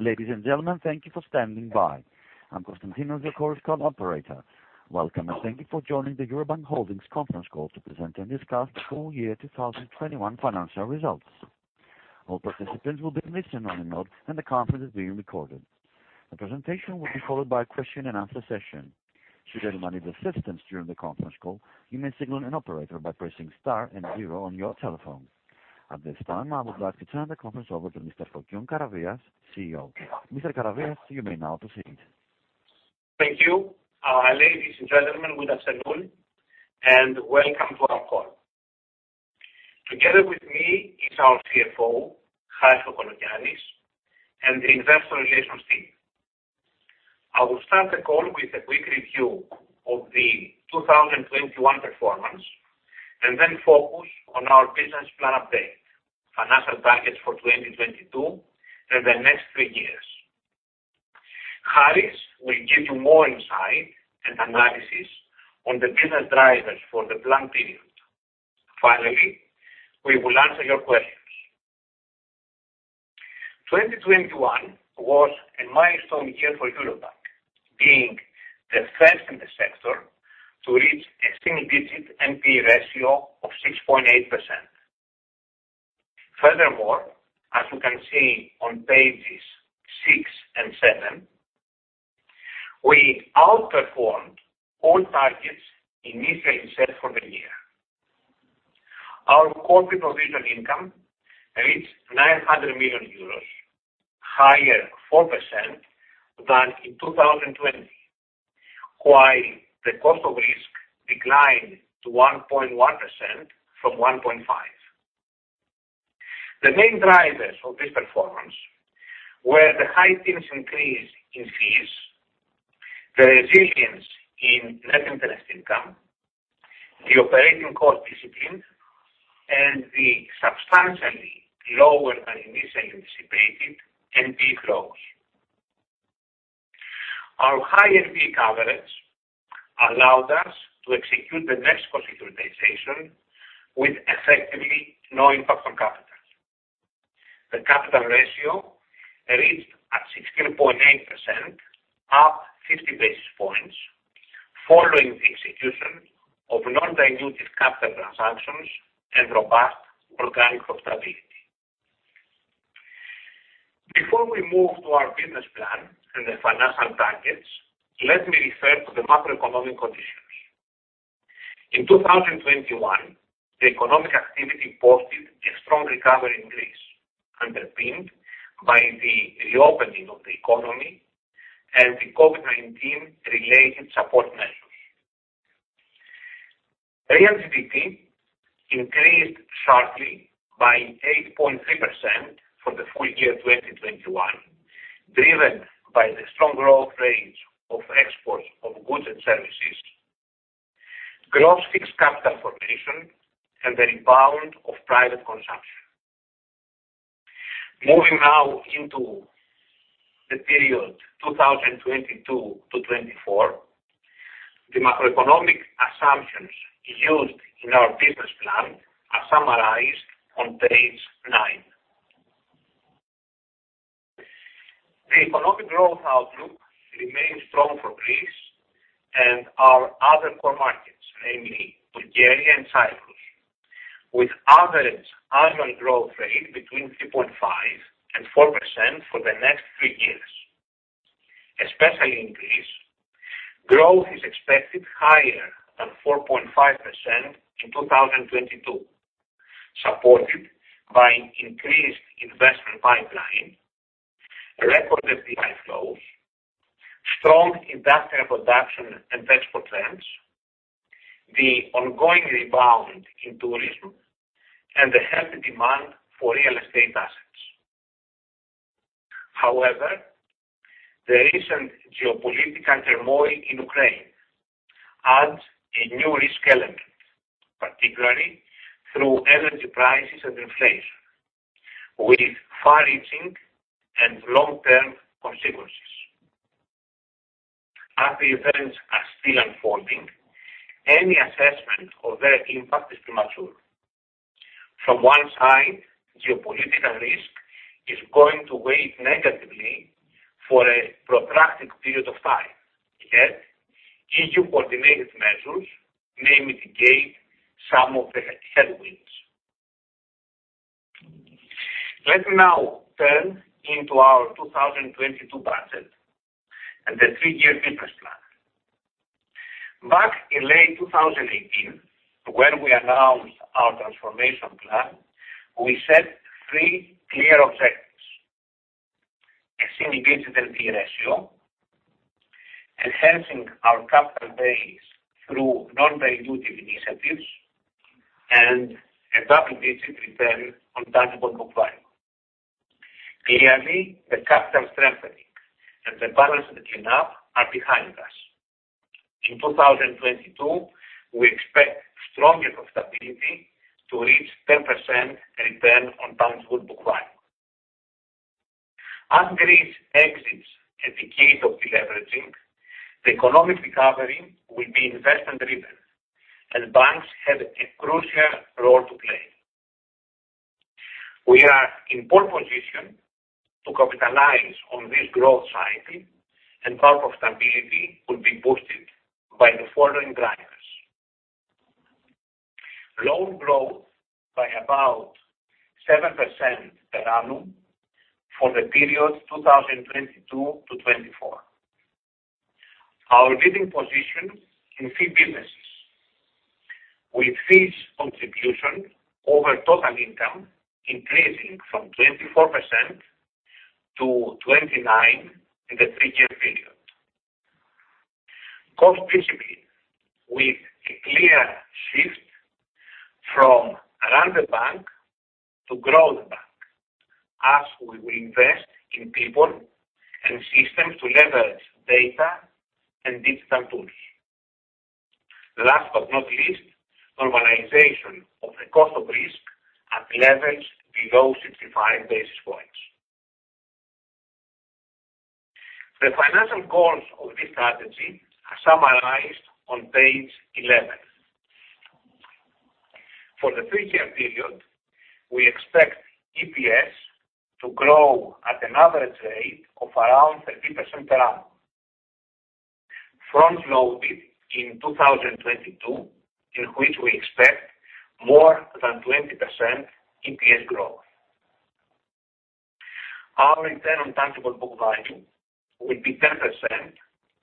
Ladies and gentlemen, thank you for standing by. I'm Constantinos, your conference operator. Welcome and thank you for joining the Eurobank Holdings Conference Call to Present and Discuss the Full Year 2021 Financial Results. All participants will be in listen-only mode, and the conference is being recorded. The presentation will be followed by a question and answer session. Should anyone need assistance during the conference call, you may signal an operator by pressing star and zero on your telephone. At this time, I would like to turn the conference over to Mr. Fokion Karavias, CEO. Mr. Karavias, you may now proceed. Thank you. Ladies and gentlemen, good afternoon, and welcome to our call. Together with me is our CFO, Harris Kokologiannis, and the investor relations team. I will start the call with a quick review of the 2021 performance, and then focus on our business plan update, financial targets for 2022 and the next three years. Harris will give you more insight and analysis on the business drivers for the plan period. Finally, we will answer your questions. 2021 was a milestone year for Eurobank, being the first in the sector to reach a single-digit NPE ratio of 6.8%. Furthermore, as you can see on pages 6 and 7, we outperformed all targets initially set for the year. Our core pre-provision income reached EUR 900 million, 4% higher than in 2020, while the cost of risk declined to 1.1% from 1.5%. The main drivers of this performance were the high teens increase in fees, the resilience in net interest income, the operating cost discipline, and the substantially lower than initially anticipated NPE growth. Our high NPE coverage allowed us to execute the next NPE securitization with effectively no impact on capital. The capital ratio reached 16.8%, up 50 basis points following the execution of non-dilutive capital transactions and robust organic profitability. Before we move to our business plan and the financial targets, let me refer to the macroeconomic conditions. In 2021, the economic activity posted a strong recovery increase, underpinned by the reopening of the economy and the COVID-19 related support measures. Real GDP increased sharply by 8.3% for the full year 2021, driven by the strong growth rates of exports of goods and services, gross fixed capital formation, and the rebound of private consumption. Moving now into the period 2022 to 2024, the macroeconomic assumptions used in our business plan are summarized on page 9. The economic growth outlook remains strong for Greece and our other core markets, namely Bulgaria and Cyprus, with average annual growth rate between 2.5% and 4% for the next three years. Especially in Greece, growth is expected higher than 4.5% in 2022, supported by increased investment pipeline, record FDI flows, strong industrial production and export trends, the ongoing rebound in tourism, and the healthy demand for real estate assets. However, the recent geopolitical turmoil in Ukraine adds a new risk element, particularly through energy prices and inflation, with far-reaching and long-term consequences. As the events are still unfolding, any assessment of their impact is premature. From one side, geopolitical risk is going to weigh negatively for a protracted period of time, yet EU coordinated measures may mitigate some of the headwinds. Let me now turn to our 2022 budget and the three-year business plan. Back in late 2018, when we announced our transformation plan, we set three clear objectives. A single-digit NPE ratio, enhancing our capital base through non-dilutive initiatives, and a double-digit return on tangible book value. Clearly, the capital strengthening and the balance sheet cleanup are behind us. In 2022, we expect stronger profitability to reach 10% return on tangible book value. As Greece exits a decade of deleveraging, the economic recovery will be investment driven. Banks have a crucial role to play. We are in pole position to capitalize on this growth cycle, and our profitability will be boosted by the following drivers. Loan growth by about 7% per annum for the period 2022 to 2024. Our leading position in fee businesses, with fees contribution over total income increasing from 24% to 29% in the three-year period. Cost discipline with a clear shift from run the bank to grow the bank as we will invest in people and systems to leverage data and digital tools. Last but not least, normalization of the cost of risk at levels below 65 basis points. The financial goals of this strategy are summarized on page 11. For the three-year period, we expect EPS to grow at an average rate of around 30% per annum, front-loaded in 2022, in which we expect more than 20% EPS growth. Our return on tangible book value will be 10% on a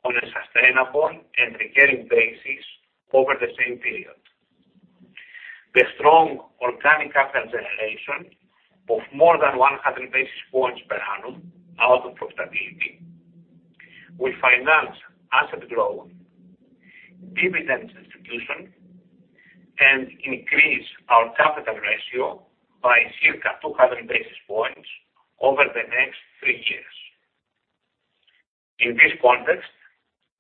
sustainable and recurring basis over the same period. The strong organic capital generation of more than 100 basis points per annum out of profitability will finance asset growth, dividend distribution, and increase our capital ratio by circa 200 basis points over the next three years. In this context,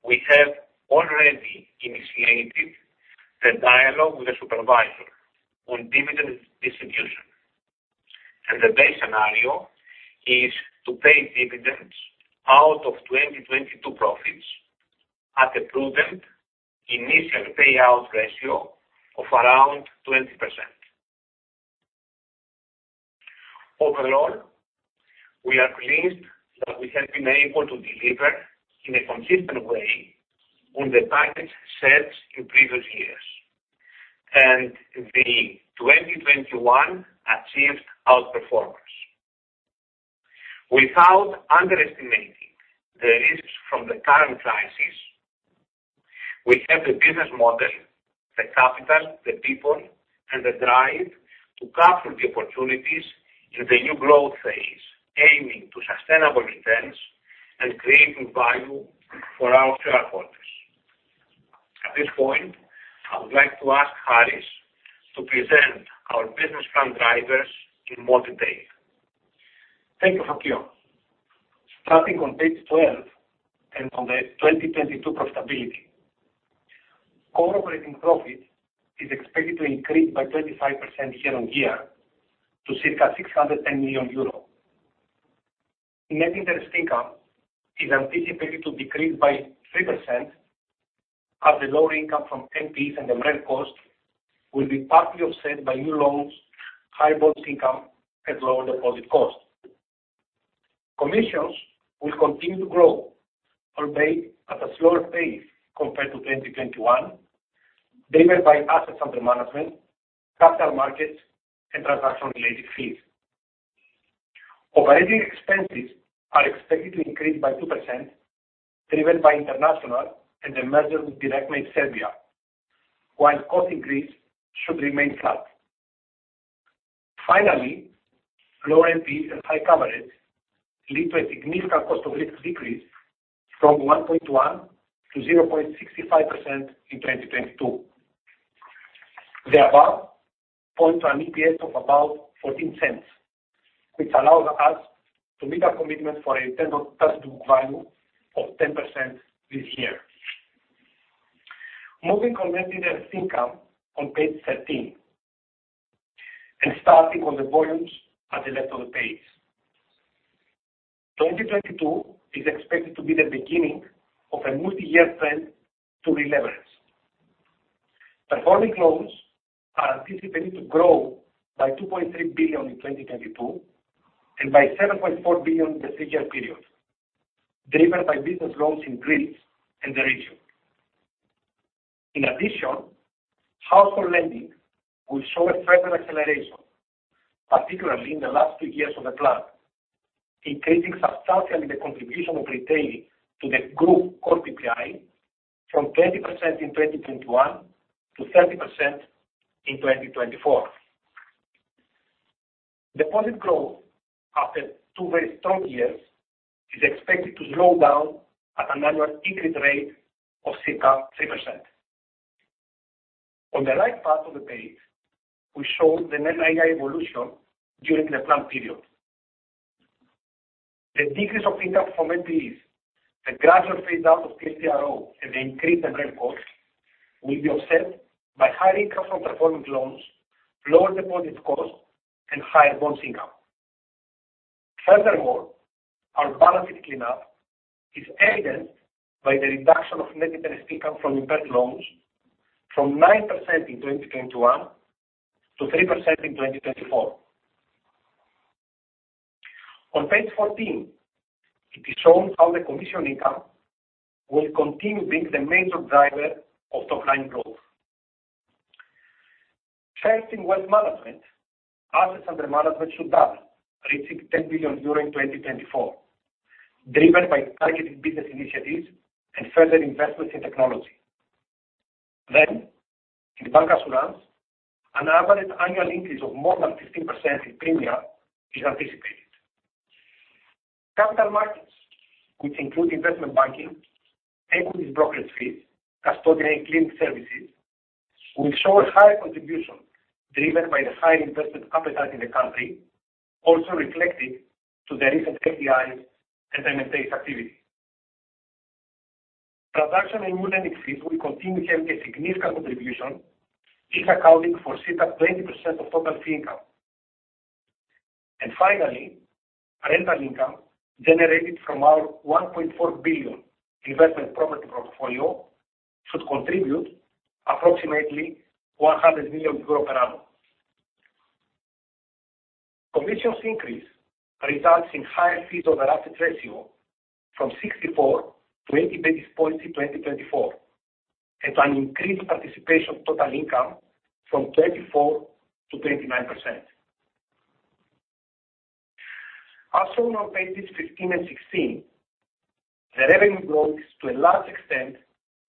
we have already initiated the dialogue with the supervisor on dividend distribution, and the base scenario is to pay dividends out of 2022 profits at a prudent initial payout ratio of around 20%. Overall, we are pleased that we have been able to deliver in a consistent way on the targets set in previous years and the 2021 achieved outperformance. Without underestimating the risks from the current crisis, we have the business model, the capital, the people, and the drive to capture the opportunities in the new growth phase, aiming to sustainable returns and creating value for our shareholders. At this point, I would like to ask Harris to present our business plan drivers in more detail. Thank you, Panos. Starting on page 12 and on the 2022 profitability. Core operating profit is expected to increase by 25% year-on-year to circa 610 million euro. Net interest income is anticipated to decrease by 3% as the lower income from NPEs and the MREL cost will be partly offset by new loans, high bonds income, and lower deposit costs. Commissions will continue to grow, albeit at a slower pace compared to 2021, driven by assets under management, capital markets, and transaction-related fees. Operating expenses are expected to increase by 2%, driven by international and the merger with Direktna Banka, while cost/income should remain flat. Finally, lower NPEs and high coverage lead to a significant cost of risk decrease from 1.1% to 0.65% in 2022. The above point to an EPS of about 0.14, which allows us to meet our commitment for a return on tangible book value of 10% this year. Moving on net interest income on page 13 and starting on the volumes at the left of the page. 2022 is expected to be the beginning of a multiyear trend to re-leverage. Performing loans are anticipated to grow by 2.3 billion in 2022 and by 7.4 billion in the three-year period, driven by business loans in Greece and the region. In addition, household lending will show a further acceleration, particularly in the last two years of the plan, increasing substantially the contribution of retailing to the group core PPI from 20% in 2021 to 30% in 2024. Deposit growth after two very strong years is expected to slow down at an annual increase rate of circa 3%. On the right part of the page, we show the net NII evolution during the plan period. The decrease of income from NPEs, the gradual phase out of PCRO, and the increased MREL cost will be offset by higher income from performing loans, lower deposit costs, and higher bonds income. Furthermore, our balance sheet cleanup is aided by the reduction of net interest income from impaired loans from 9% in 2021 to 3% in 2024. On page 14, it is shown how the commission income will continue being the major driver of top-line growth. First, in wealth management, assets under management should double, reaching 10 billion euro in 2024, driven by targeted business initiatives and further investments in technology. In bancassurance, an average annual increase of more than 15% in premium is anticipated. Capital markets, which include investment banking, equities brokerage fees, custody and clearing services, will show a higher contribution driven by the high investment appetite in the country, also reflected in the recent M&A activity. Transaction and lending fees will continue to have a significant contribution, each accounting for circa 20% of total fee income. Finally, rental income generated from our 1.4 billion investment property portfolio should contribute approximately 100 million euro per annum. Commissions increase results in higher fees on the asset ratio from 64 to 80 basis points in 2024, and an increased participation total income from 24% to 29%. As shown on pages 15 and 16, the revenue growth is to a large extent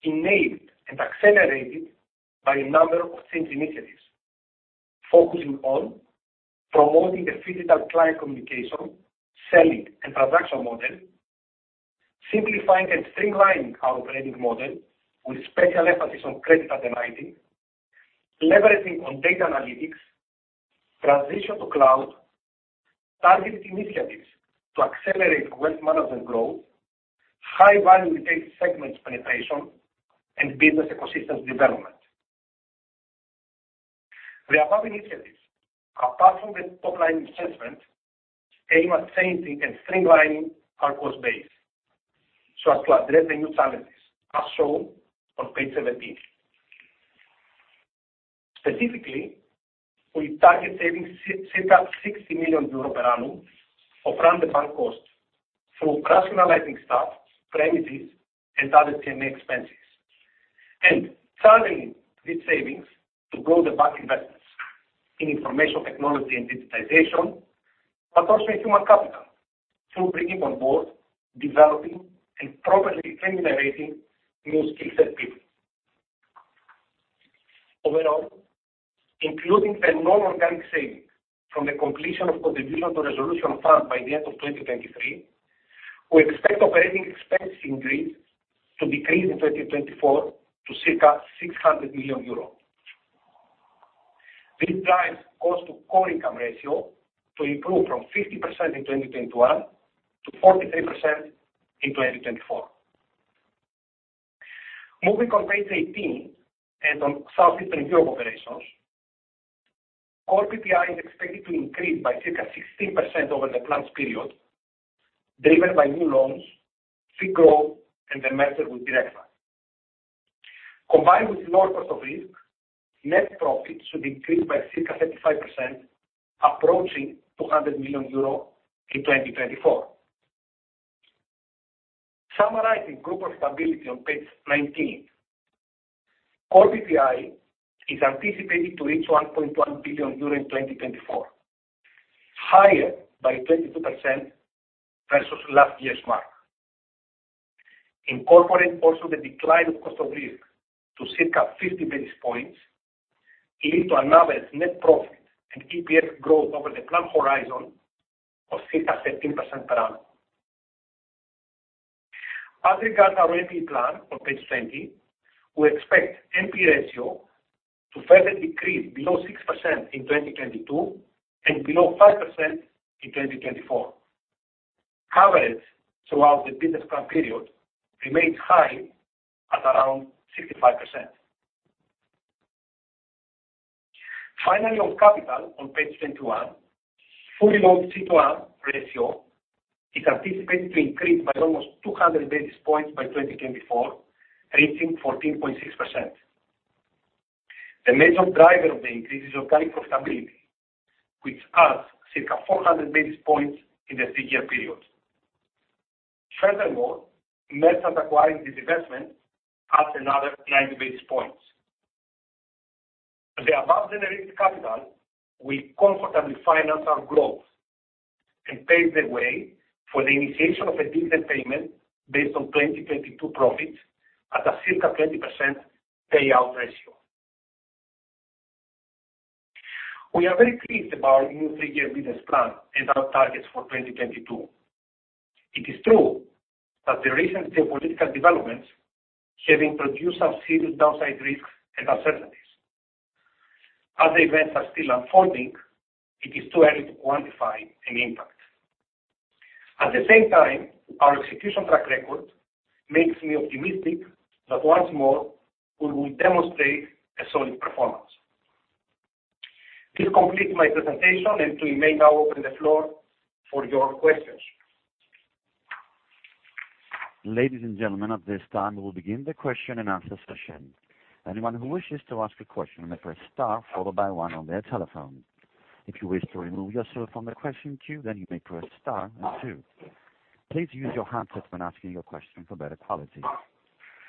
enabled and accelerated by a number of change initiatives focusing on promoting the physical client communication, selling, and transaction model, simplifying and streamlining our operating model with special emphasis on credit underwriting, leveraging on data analytics, transition to cloud, targeted initiatives to accelerate wealth management growth, high-value retail segments penetration, and business ecosystems development. The above initiatives, apart from the top-line assessment, aim at changing and streamlining our cost base so as to address the new challenges as shown on page 17. Specifically, we target savings circa 60 million euros per annum of run the bank costs through rationalizing staff, premises, and other CMA expenses, and turning these savings to grow the bank investments in information technology and digitization, but also in human capital through bringing on board, developing, and properly remunerating new skilled set people. Overall, including the non-organic saving from the completion of contribution to resolution fund by the end of 2023, we expect operating expense in Greece to decrease in 2024 to circa 600 million euros. This drives cost to core income ratio to improve from 50% in 2021 to 43% in 2024. Moving on page 18 and on Southeastern Europe operations, core PPI is expected to increase by circa 16% over the planned period, driven by new loans, fee growth, and the merger with Direktna. Combined with lower cost of risk, net profits should increase by circa 35%, approaching EUR 200 million in 2024. Summarizing group profitability on page 19. Core PPI is anticipated to reach 1.1 billion euro in 2024, higher by 22% versus last year's mark. Incorporate also the decline of cost of risk to circa 50 basis points lead to an average net profit and EPS growth over the plan horizon of circa 13% per annum. As regards our NPL plan on page 20, we expect NPL ratio to further decrease below 6% in 2022 and below 5% in 2024. Coverage throughout the business plan period remains high at around 65%. Finally, on capital on page 21, fully loaded CET1 ratio is anticipated to increase by almost 200 basis points by 2024, reaching 14.6%. The major driver of the increase is organic profitability, which adds circa 400 basis points in the three-year period. Furthermore, merchant acquiring divestment adds another 90 basis points. The above generated capital will comfortably finance our growth and pave the way for the initiation of a dividend payment based on 2022 profits at a circa 20% payout ratio. We are very pleased about our new three-year business plan and our targets for 2022. It is true that the recent geopolitical developments have produced some serious downside risks and uncertainties. As events are still unfolding, it is too early to quantify any impact. At the same time, our execution track record makes me optimistic that once more we will demonstrate a solid performance. This completes my presentation, and we may now open the floor for your questions. Ladies and gentlemen, at this time, we'll begin the question and answer session. Anyone who wishes to ask a question may press star followed by one on their telephone. If you wish to remove yourself from the question queue, then you may press star and two. Please use your handset when asking your question for better quality.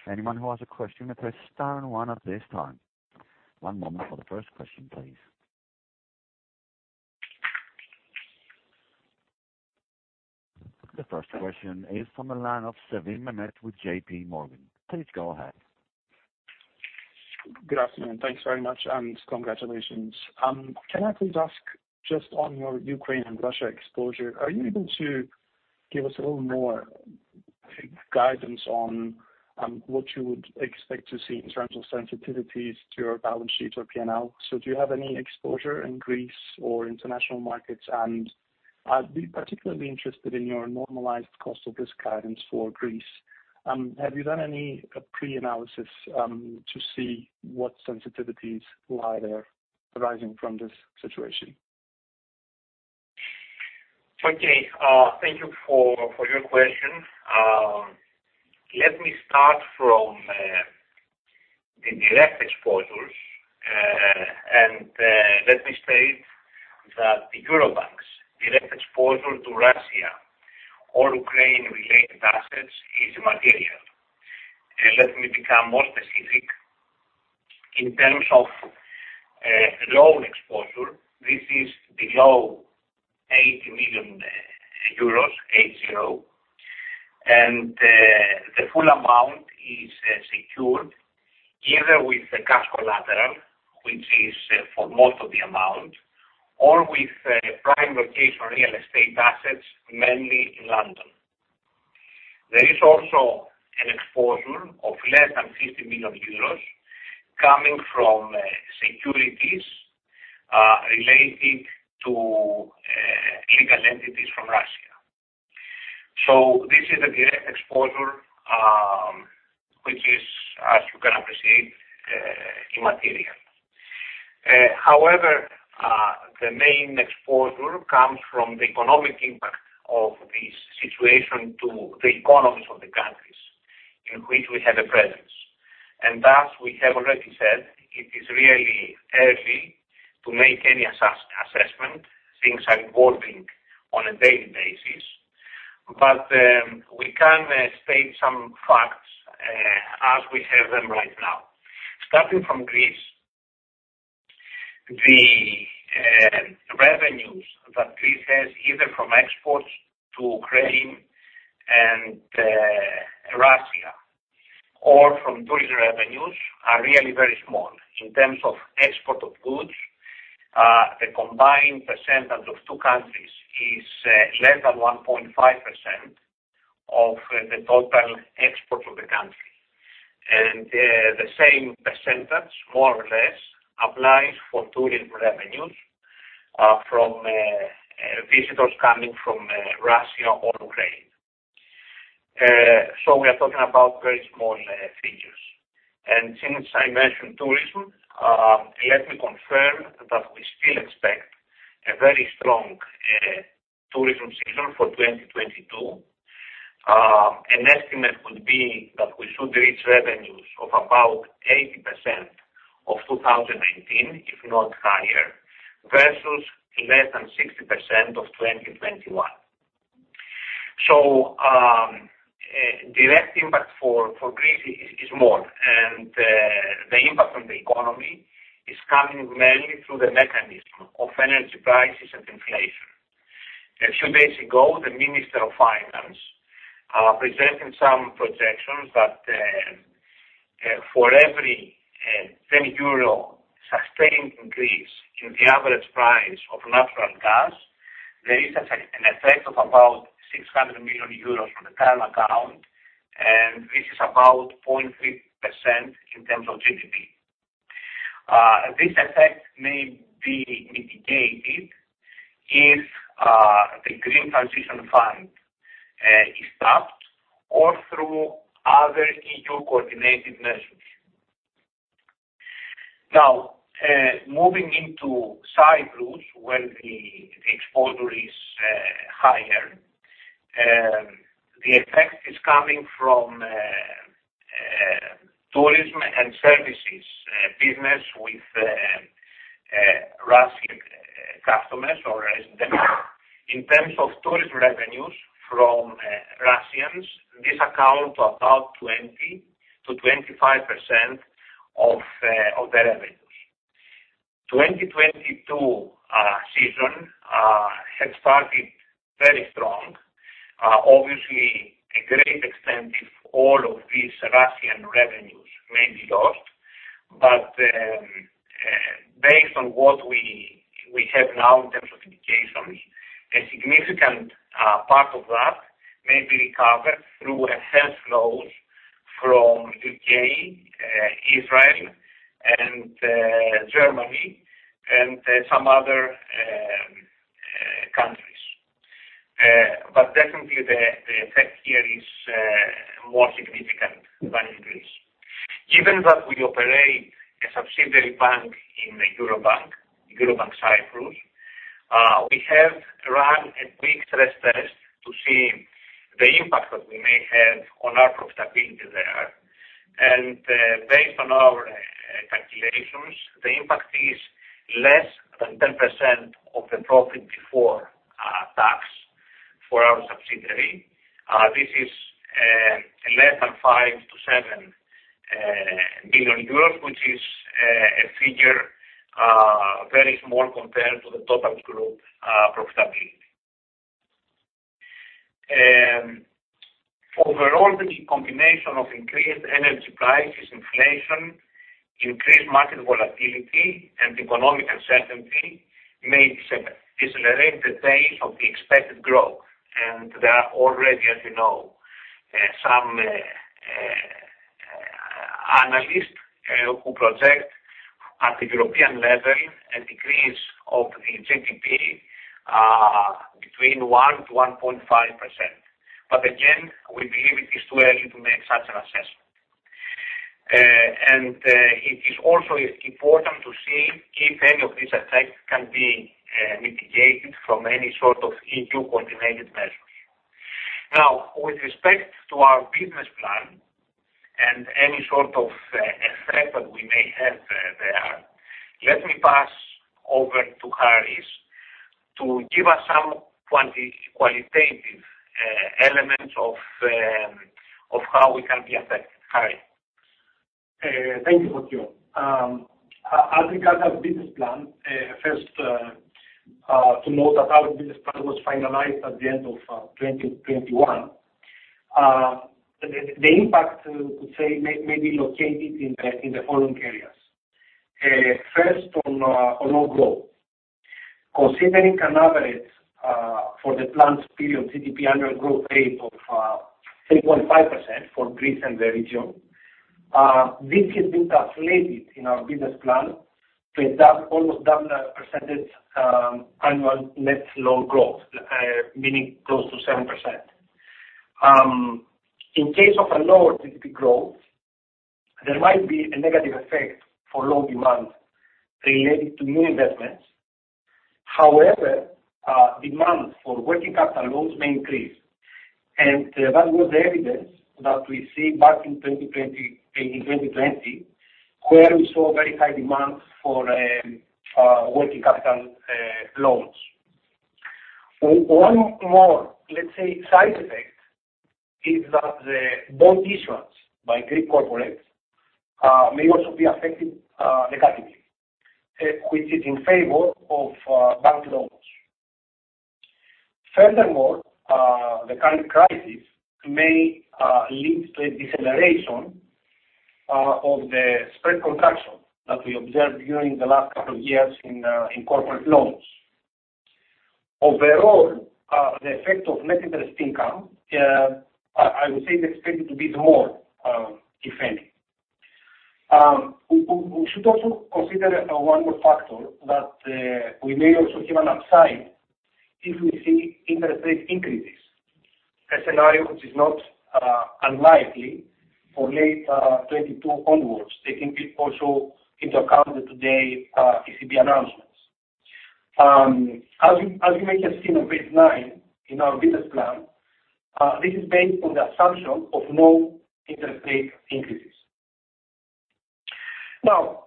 Anyone who has a question may press star and one at this time. One moment for the first question, please. The first question is from the line of Sevim Mehmet with JP Morgan. Please go ahead. Good afternoon. Thanks very much, and congratulations. Can I please ask just on your Ukraine and Russia exposure, are you able to give us a little more guidance on what you would expect to see in terms of sensitivities to your balance sheet or P&L? Do you have any exposure in Greece or international markets? I'd be particularly interested in your normalized cost of risk guidance for Greece. Have you done any pre-analysis to see what sensitivities lie there arising from this situation? Okay. Thank you for your question. Let me start from the direct exposures, and let me state that the Eurobank's direct exposure to Russia or Ukraine related assets is material. Let me become more specific. In terms of loan exposure, this is below 80 million euros, and the full amount is secured either with the cash collateral, which is for most of the amount, or with prime location real estate assets, mainly in London. There is also an exposure of less than 50 million euros coming from securities related to legal entities from Russia. So this is a direct exposure, which is, as you can appreciate, immaterial. However, the main exposure comes from the economic impact of this situation to the economies of the countries in which we have a presence. Thus, we have already said it is really early to make any assessment. Things are evolving on a daily basis. We can state some facts as we have them right now. Starting from Greece, the revenues that Greece has, either from exports to Ukraine and Russia or from tourism revenues are really very small. In terms of export of goods, the combined percentage of two countries is less than 1.5% of the total exports of the country. The same percentage, more or less, applies for tourism revenues from visitors coming from Russia or Ukraine. We are talking about very small figures. Since I mentioned tourism, let me confirm that we still expect a very strong tourism season for 2022. An estimate would be that we should reach revenues of about 80% of 2019, if not higher, versus less than 60% of 2021. Direct impact for Greece is more. The impact on the economy is coming mainly through the mechanism of energy prices and inflation. A few days ago, the Minister of Finance presented some projections that for every 10 euro sustained increase in the average price of natural gas, there is an effect of about 600 million euros from the current account, and this is about 0.3% in terms of GDP. This effect may be mitigated if the Green Transition Fund is tapped or through other EU coordinated measures. Now, moving into Cyprus, where the exposure is higher, the effect is coming from tourism and services business with Russian customers or residents. In terms of tourism revenues from Russians, this accounts for about 20% to 25% of the revenues. 2022 season had started very strong. Obviously to a great extent if all of these Russian revenues may be lost. Based on what we have now in terms of indications, a significant part of that may be recovered through guest flows from U.K., Israel and Germany and some other markets, more significant than the increase. Given that we operate a subsidiary bank in Cyprus, Eurobank Cyprus, we have run a big stress test to see the impact that we may have on our profitability there. Based on our calculations, the impact is less than 10% of the profit before tax for our subsidiary. This is less than 5 to 7 billion, which is a figure very small compared to the total group profitability. Overall, the combination of increased energy prices, inflation, increased market volatility and economic uncertainty may decelerate the pace of the expected growth. There are already, as you know, some analysts who project at the European level a decrease of the GDP between 1% to 1.5%. But again, we believe it is too early to make such an assessment. It is also important to see if any of this effect can be mitigated from any sort of EU coordinated measures. Now, with respect to our business plan and any sort of effect that we may have there, let me pass over to Harris to give us some qualitative elements of how we can be affected. Harris? Thank you, Fokion. As regards our business plan, first to note that our business plan was finalized at the end of 2021. The impact we could say may be located in the following areas. First on our growth. Considering an average for the planned period GDP annual growth rate of 3.5% for Greece and the region, this has been translated in our business plan to around almost double percentage annual net loan growth, meaning close to 7%. In case of a lower GDP growth, there might be a negative effect for loan demand related to new investments. However, demand for working capital loans may increase, and that was the evidence that we see back in 2020, where we saw very high demand for working capital loans. One more, let's say, side effect is that the bond issuance by Greek corporate may also be affected negatively, which is in favor of bank loans. Furthermore, the current crisis may lead to a deceleration of the spread contraction that we observed during the last couple of years in corporate loans. Overall, the effect on net interest income, I would say is expected to be the more, if any. We should also consider one more factor that we may also have an upside if we see interest rate increases. A scenario which is not unlikely for late 2022 onwards, taking it also into account today, ECB announcements. As you may have seen on page 9 in our business plan, this is based on the assumption of no interest rate increases. Now,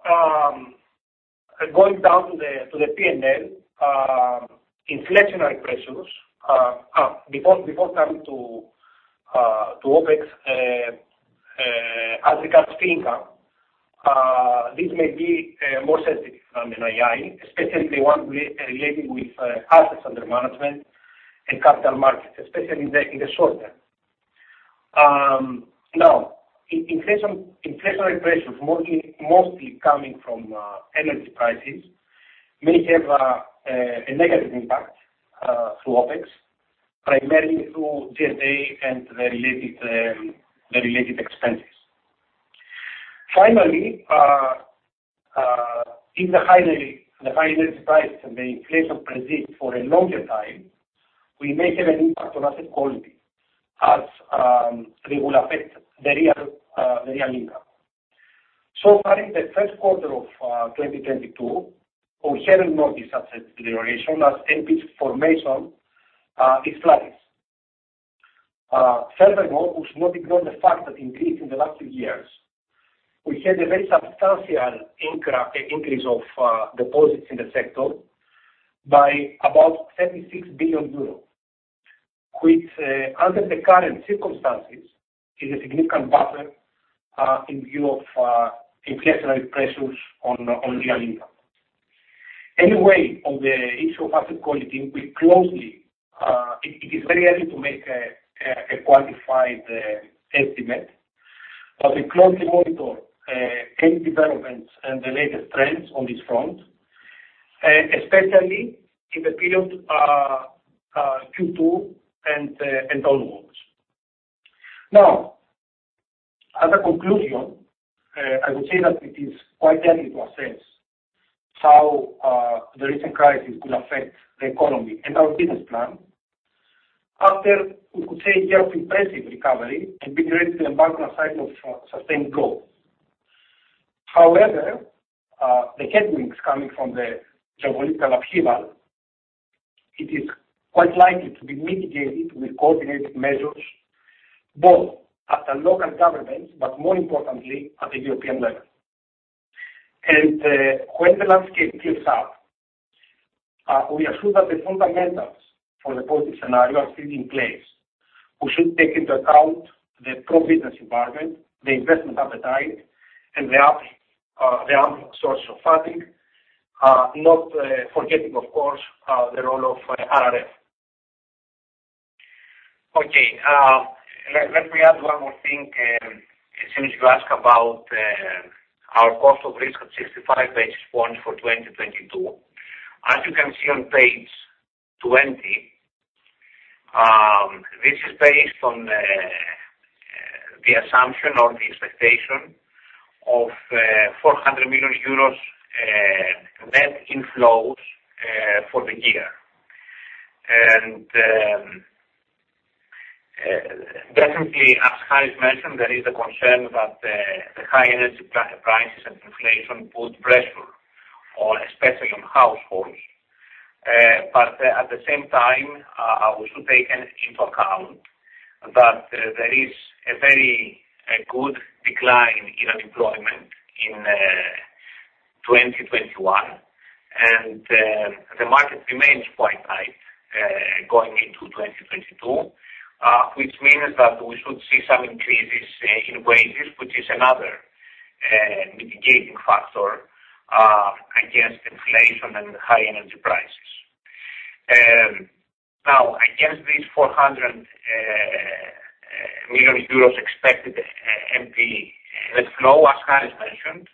going down to the P&L, inflationary pressures before turning to OpEx, as regards fee income, this may be more sensitive in NII, especially the one related with assets under management and capital markets, especially in the short term. Inflationary pressures mostly coming from energy prices may have a negative impact through OpEx, primarily through G&A and the related expenses. Finally, if the high energy prices and the inflation persist for a longer time, we may have an impact on asset quality as they will affect the real income. So far in the first quarter of 2022, we haven't noticed such a deterioration as NPL formation is flat. Furthermore, we should not ignore the fact that in Greece in the last few years, we had a very substantial increase of deposits in the sector by about 36 billion euros, which under the current circumstances is a significant buffer in view of inflationary pressures on real income. Anyway, on the issue of asset quality, it is very early to make a quantified estimate. But we closely monitor any developments and the latest trends on this front, especially in the period Q2 and onwards. Now, as a conclusion, I would say that it is quite early to assess how the recent crisis will affect the economy and our business plan after we could say years of impressive recovery and be ready to embark on a cycle of sustained growth. However, the headwinds coming from the geopolitical upheaval, it is quite likely to be mitigated with coordinated measures, both at the local government, but more importantly, at the European level. When the landscape clears up, we are sure that the fundamentals for the positive scenario are still in place. We should take into account the pro-business environment, the investment appetite, and the uplift source of funding. Not forgetting, of course, the role of RRF. Okay. Let me add one more thing, since you ask about our cost of risk of 65 basis points for 2022. As you can see on page 20, this is based on the assumption or the expectation of 400 million euros net inflows for the year. Definitely, as Harry mentioned, there is a concern about the high energy prices and inflation put pressure on especially on households. At the same time, we should take into account that there is a very good decline in unemployment in 2021. The market remains quite high, going into 2022, which means that we should see some increases in wages, which is another mitigating factor against inflation and high energy prices. Now, against these 400 million euros expected NPE net flow, as Harry mentioned,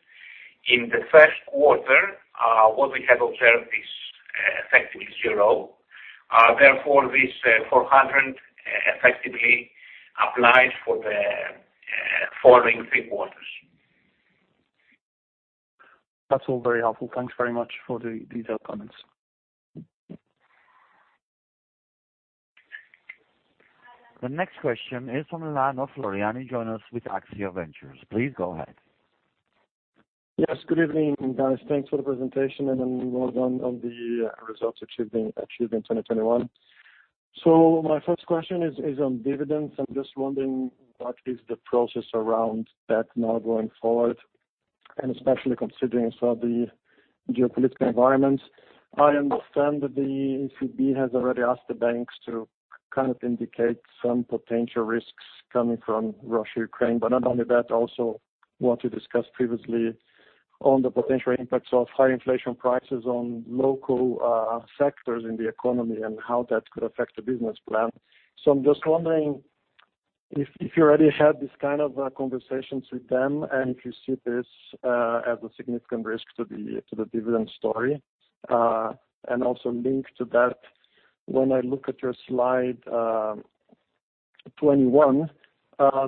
in the first quarter, what we have observed is effectively zero. Therefore, this 400 million effectively applies for the following three quarters. That's all very helpful. Thanks very much for the detailed comments. The next question is from Lana Floriani joining us with AXIA Ventures. Please go ahead. Yes. Good evening, guys. Thanks for the presentation and well done on the results achieved in 2021. My first question is on dividends. I'm just wondering what is the process around that now going forward, and especially considering some of the geopolitical environments. I understand that the ECB has already asked the banks to kind of indicate some potential risks coming from Russia, Ukraine. Not only that, also what you discussed previously on the potential impacts of high inflation prices on local sectors in the economy and how that could affect the business plan. I'm just wondering if you already had this kind of conversations with them, and if you see this as a significant risk to the dividend story. Also linked to that, when I look at your slide 21,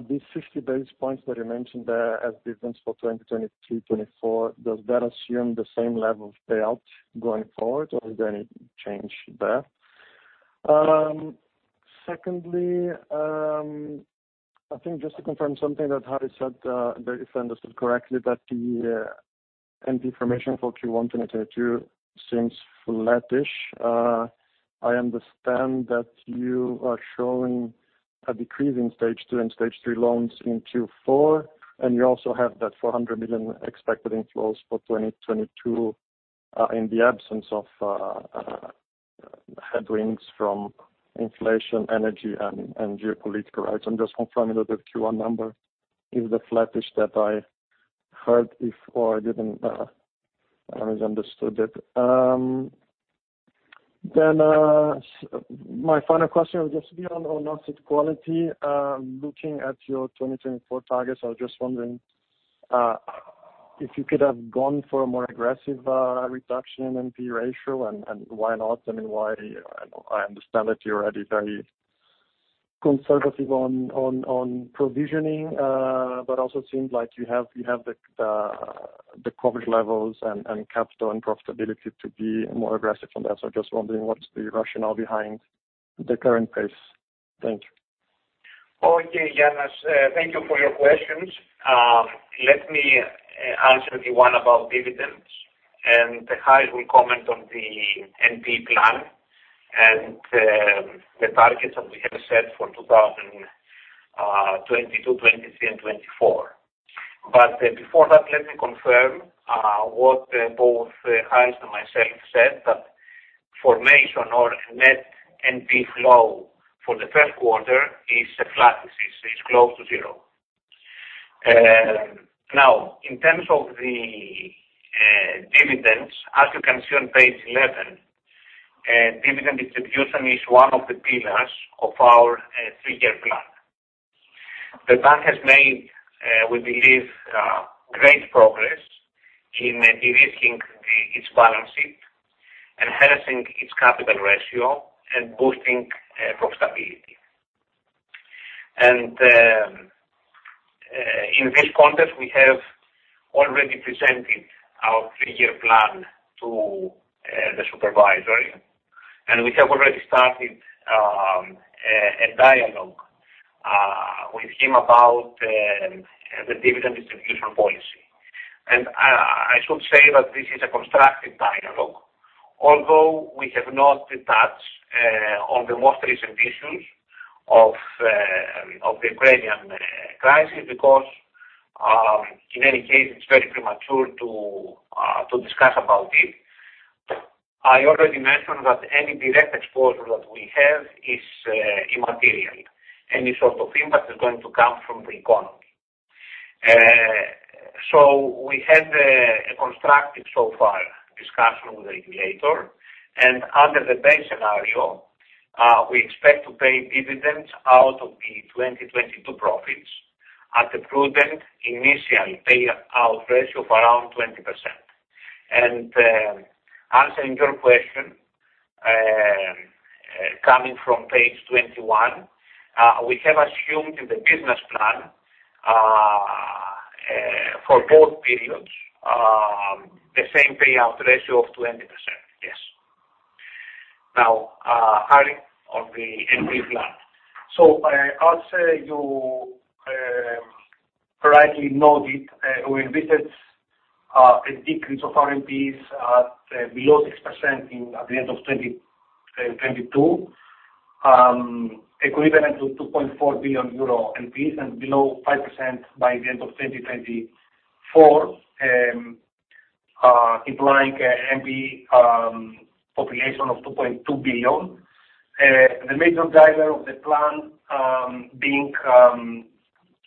these 50 basis points that you mentioned there as dividends for 2022, 2024, does that assume the same level of payout going forward or is there any change there? Secondly, I think just to confirm something that Harry said, if I understood correctly, that the NPE formation for Q1 2022 seems flattish. I understand that you are showing a decrease in stage two and stage three loans in Q4, and you also have that 400 million expected inflows for 2022, in the absence of headwinds from inflation, energy, and geopolitical, right? I'm just confirming that the Q1 number is the flattish that I heard before. I misunderstood it. My final question will just be on asset quality. Looking at your 2024 targets, I was just wondering if you could have gone for a more aggressive reduction in NPE ratio and why not? I mean, I understand that you're already very conservative on provisioning, but also seems like you have the coverage levels and capital and profitability to be more aggressive on that. Just wondering what's the rationale behind the current pace. Thank you. Okay, Yannis. Thank you for your questions. Let me answer the one about dividends, and Harry will comment on the NPE plan and the targets that we have set for 2022, 2023 and 2024. Before that, let me confirm what both Harry and myself said that formation or net NPE flow for the first quarter is flat, it's close to zero. Now, in terms of the dividends, as you can see on page 11, dividend distribution is one of the pillars of our three-year plan. The bank has made, we believe, great progress in de-risking its balance sheet, enhancing its capital ratio and boosting profitability. In this context, we have already presented our three-year plan to the supervisory, and we have already started a dialogue with him about the dividend distribution policy. I should say that this is a constructive dialogue. Although we have not decided on the most recent issues of the Ukrainian crisis because, in any case, it's very premature to discuss about it. I already mentioned that any direct exposure that we have is immaterial. Any sort of impact is going to come from the economy. We had a constructive so far discussion with the regulator and under the base scenario, we expect to pay dividends out of the 2022 profits at a prudent initial payout ratio of around 20%. Answering your question, coming from page 21, we have assumed in the business plan, for both periods, the same payout ratio of 20%. Yes. Now, Harry, on the NPL. As you rightly noted, we envisage a decrease of our NPLs below 6% in at the end of 2022, equivalent to 2.4 billion euro NPLs, and below 5% by the end of 2024, implying an NPL population of 2.2 billion. The major driver of the plan being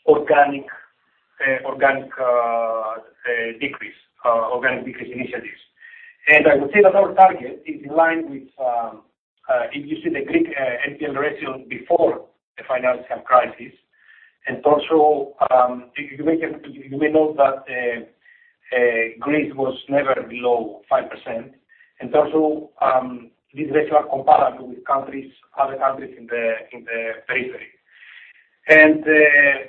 organic decrease initiatives. I would say that our target is in line with if you see the Greek NPL ratio before the financial crisis, and also you may note that Greece was never below 5%. These ratios are comparable with other countries in the periphery.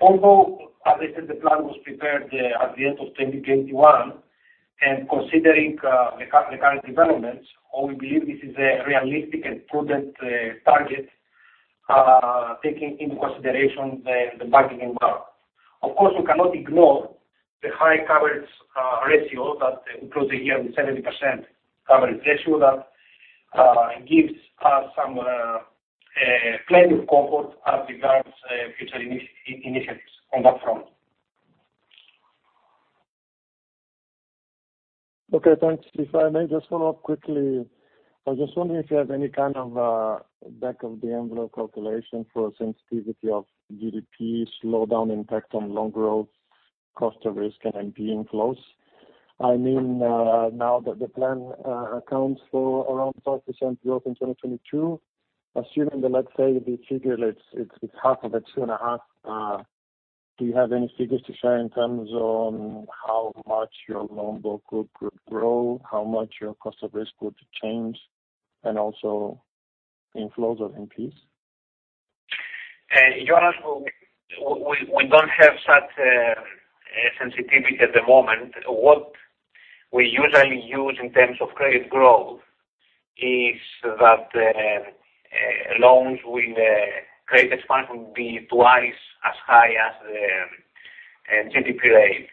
Although as I said the plan was prepared at the end of 2021, and considering the current developments, we believe this is a realistic and prudent target taking into consideration the banking environment. Of course, we cannot ignore the high coverage ratio that we closed the year with 70% coverage ratio that gives us plenty of comfort as regards future initiatives on that front. Okay, thanks. If I may just follow up quickly. I was just wondering if you have any kind of back of the envelope calculation for sensitivity of GDP slowdown impact on loan growth, cost of risk, and NPE inflows. I mean, now that the plan accounts for around 12% growth in 2022, assuming that let's say the figure is half of the 2.5, do you have any figures to share in terms of how much your loan book could grow? How much your cost of risk could change? And also inflows of NPEs? Yannis, we don't have such sensitivity at the moment. What we usually use in terms of credit growth is that loans with credit expansion will be twice as high as the GDP rate.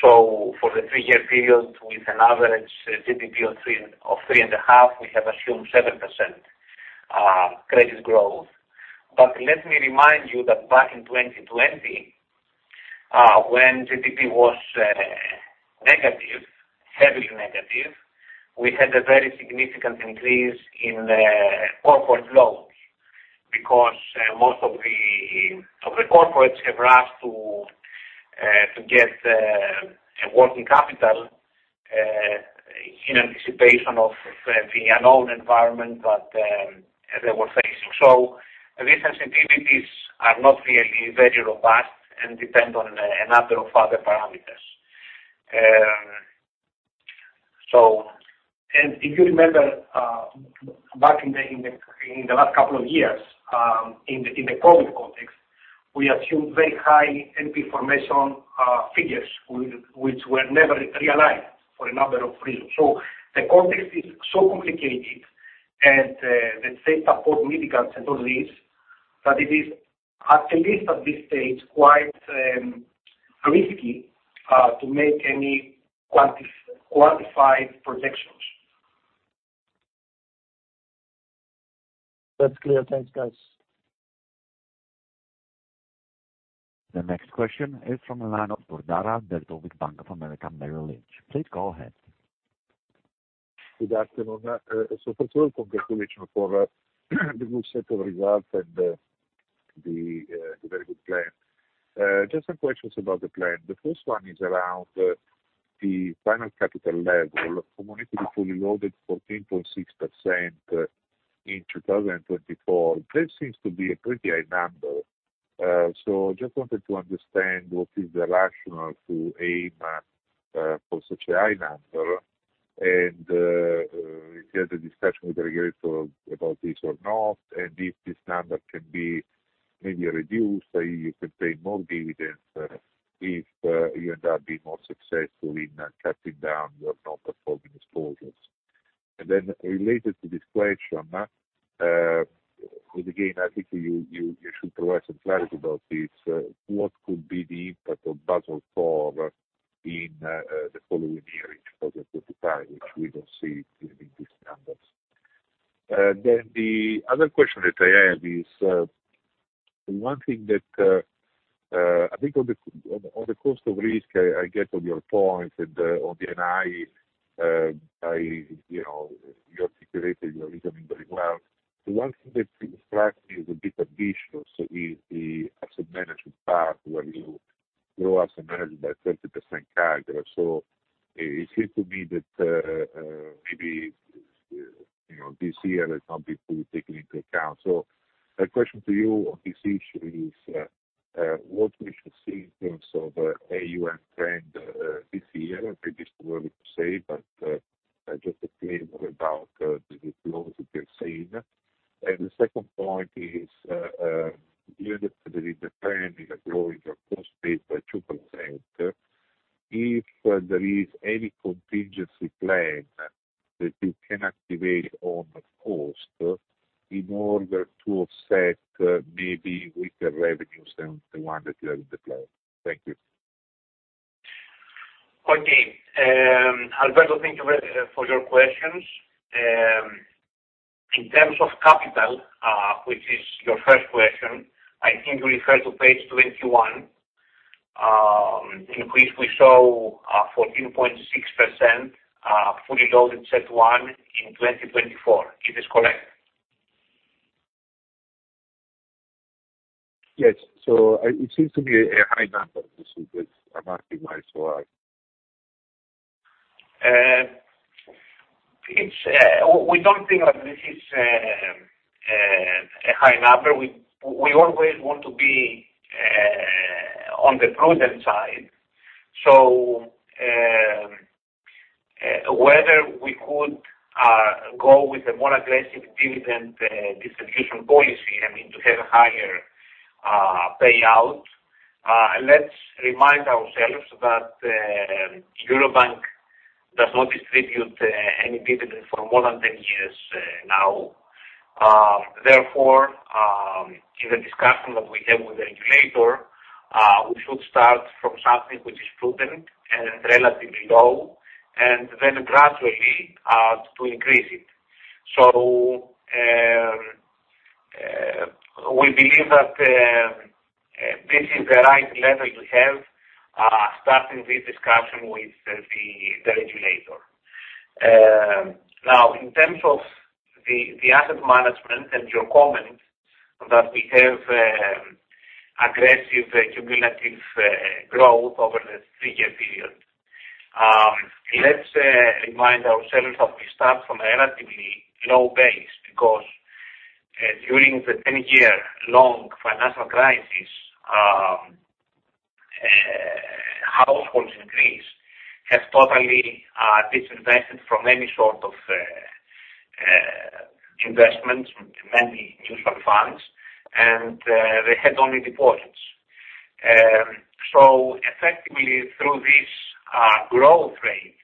For the three-year period, with an average GDP of 3% to 3.5%, we have assumed 7% credit growth. Let me remind you that back in 2020, when GDP was negative, heavily negative, we had a very significant increase in corporate loans because most of the corporates have asked to get a working capital in anticipation of the unknown environment that they were facing. These sensitivities are not really very robust and depend on a number of other parameters. If you remember, back in the last couple of years, in the COVID context, we assumed very high NPE formation figures which were never realized for a number of reasons. The context is so complicated and the stakes are so meaningful because of this, that it is, at least at this stage, quite risky to make any quantified projections. That's clear. Thanks, guys. The next question is from the line of Bordara Bertol with Bank of America Merrill Lynch. Please go ahead. Good afternoon. First of all, congratulations for the good set of results and the very good plan. Just some questions about the plan. The first one is around the final capital level from equity fully loaded 14.6% in 2024. That seems to be a pretty high number. Just wanted to understand what is the rationale to aim for such a high number, and if you had a discussion with the regulator about this or not, and if this number can be maybe reduced so you could pay more dividends, if you end up being more successful in cutting down your non-performing exposures. Related to this question, with again, I think you should provide some clarity about this. What could be the impact of Basel IV in the following year in 2025, which we don't see in these numbers? The other question that I have is one thing that I think on the cost of risk, I get on your point and on the NI, you know, you articulated your reasoning very well. The one thing that strikes me as a bit ambitious is the asset management part where you grow asset management by 30% CAGR. It seems to me that maybe, you know, this year is something to take into account. My question to you on this issue is what we should see in terms of AUM trend this year? A bit early to say, but just a flavor about the flows that you're seeing. The second point is, given that there is a trend in growing your cost base by 2%, if there is any contingency plan that you can activate on the cost in order to offset maybe weaker revenues than the one that you have in the plan. Thank you. Alberto, thank you very for your questions. In terms of capital, which is your first question, I think you refer to page 21. The increase we show is 14.6% fully loaded CET1 in 2024. It is correct? Yes. It seems to be a high number. This is what I'm asking, why so high. We don't think that this is a high number. We always want to be on the prudent side. Whether we could go with a more aggressive dividend distribution policy, I mean, to have higher payout. Let's remind ourselves that Eurobank does not distribute any dividend for more than 10 years now. Therefore, in the discussion that we have with the regulator, we should start from something which is prudent and relatively low, and then gradually to increase it. We believe that this is the right level to have starting this discussion with the regulator. Now, in terms of the asset management and your comment that we have aggressive cumulative growth over the 3-year period. Let's remind ourselves that we start from a relatively low base because, during the 10-year long financial crisis, households in Greece have totally disinvested from any sort of investments, many mutual funds, and they had only deposits. Effectively through this growth rate,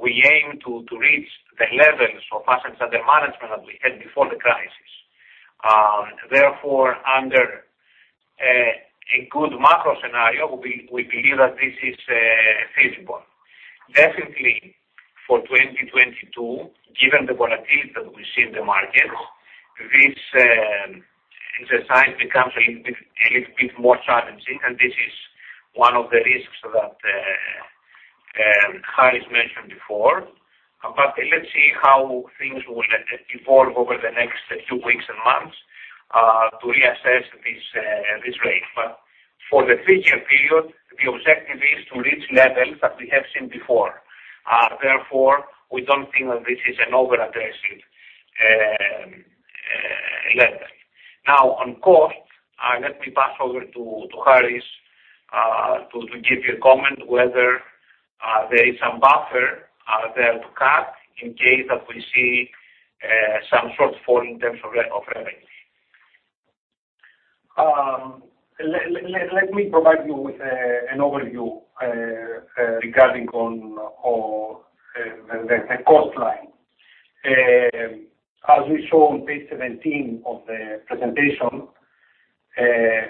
we aim to reach the levels of assets under management that we had before the crisis. Therefore, under a good macro scenario, we believe that this is feasible. Definitely for 2022, given the volatility that we see in the markets, this assignment becomes a little bit more challenging, and this is one of the risks that Harris mentioned before. Let's see how things will evolve over the next few weeks and months to reassess this rate. For the three-year period, the objective is to reach levels that we have seen before. Therefore, we don't think that this is an over-aggressive level. Now on cost, let me pass over to Harris to give you a comment whether there is some buffer there to cut in case that we see some shortfall in terms of revenue. Let me provide you with an overview regarding the cost line. As we show on page 17 of the presentation,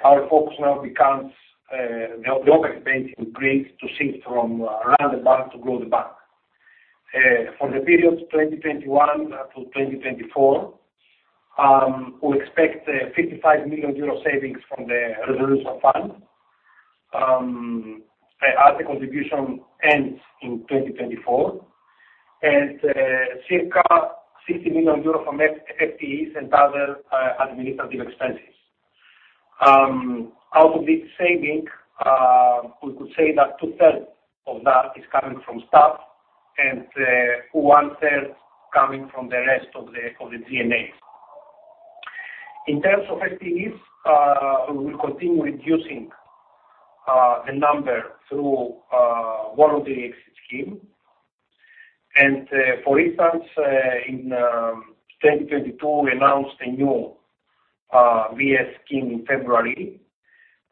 our focus now becomes the overheads base in Greece to shift from run the bank to grow the bank. For the period 2021 up to 2024, we expect 55 million euro savings from the resolution fund, as the contribution ends in 2024, and circa 60 million euros from FTEs and other administrative expenses. Out of this saving, we could say that two-thirds of that is coming from staff. One-third coming from the rest of the G&A. In terms of FTEs, we will continue reducing the number through one of the exit scheme. For instance, in 2022, we announced a new VES scheme in February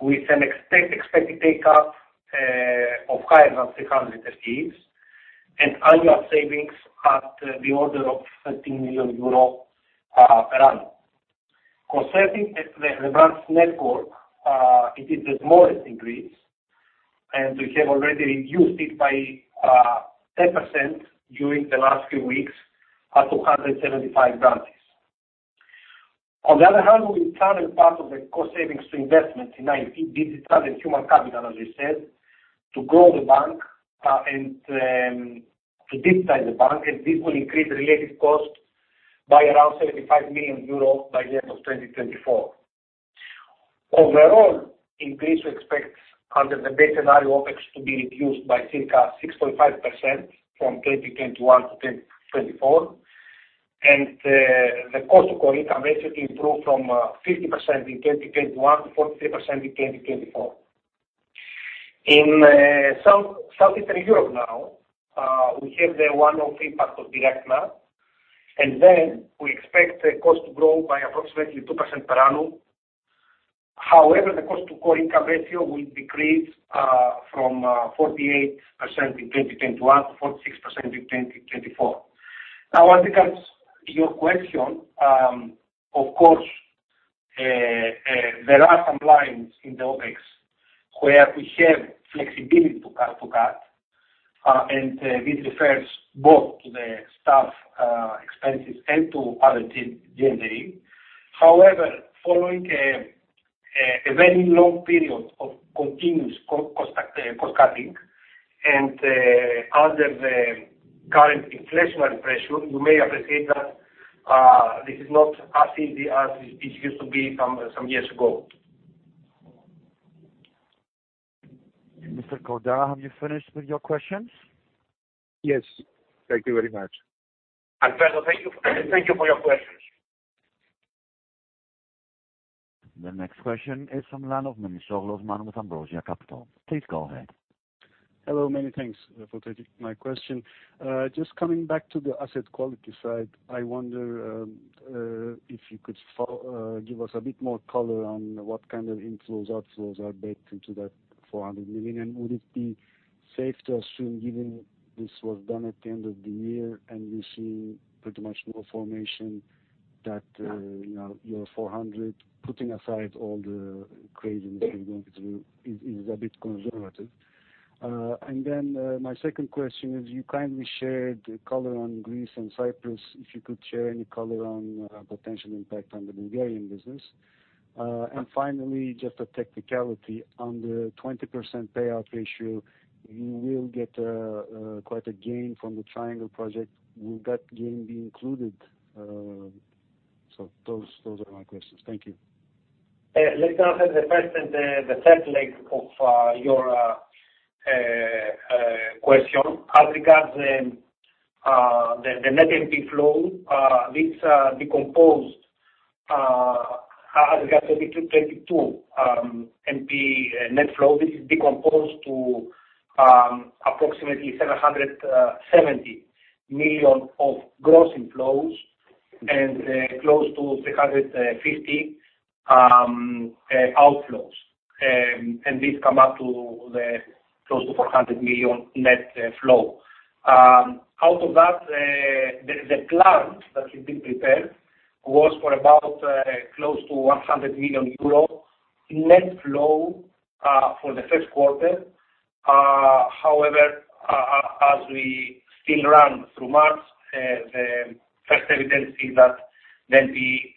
with an expected take up of higher than 300 FTEs and annual savings at the order of 13 million euros per annum. Concerning the branch network, it is the smallest increase, and we have already reduced it by 10% during the last few weeks at 275 branches. On the other hand, we turned part of the cost savings into investments in IT, digital, and human capital, as we said, to grow the bank and to digitize the bank, and this will increase related costs by around 75 million euros by the end of 2024. Overall, we expect under the base scenario OpEx to be reduced by circa 6.5% from 2021 to 2024. The cost-to-income ratio [will] improve from 50% in 2021 to 43% in 2024. In Southeastern Europe now, we have the one-off impact of Direktna Banka, and then we expect the cost to grow by approximately 2% per annum. However, the cost to core income ratio will decrease from 48% in 2021 to 46% in 2024. Now as regards to your question, of course, there are some lines in the OpEx where we have flexibility to cut, and this refers both to the staff expenses and to other G&A. However, following a very long period of continuous cost cutting and under the current inflationary pressure, you may appreciate that this is not as easy as it used to be some years ago. Mr. Bordara, have you finished with your questions? Yes. Thank you very much. Alfredo, thank you. Thank you for your questions. The next question is from Osman Memisoglu with Ambrosia Capital. Please go ahead. Hello. Many thanks for taking my question. Just coming back to the asset quality side, I wonder if you could give us a bit more color on what kind of inflows, outflows are baked into that 400 million. Would it be safe to assume given this was done at the end of the year and you see pretty much no formation that, you know, your 400 million, putting aside all the craziness we're going through, is a bit conservative? Then, my second question is you kindly shared color on Greece and Cyprus, if you could share any color on potential impact on the Bulgarian business. Finally, just a technicality. On the 20% payout ratio, you will get quite a gain from the Triangle project. Will that gain be included? Those are my questions. Thank you. Let's answer the first and the third leg of your question. As regards the net NP flow for 2022, it is decomposed to approximately 770 million of gross inflows and close to 350 million outflows. This comes up to close to 400 million net flow. Out of that, the plan that we prepared was for about close to 100 million euro net flow for the first quarter. However, as we still run through March, the first evidence is that net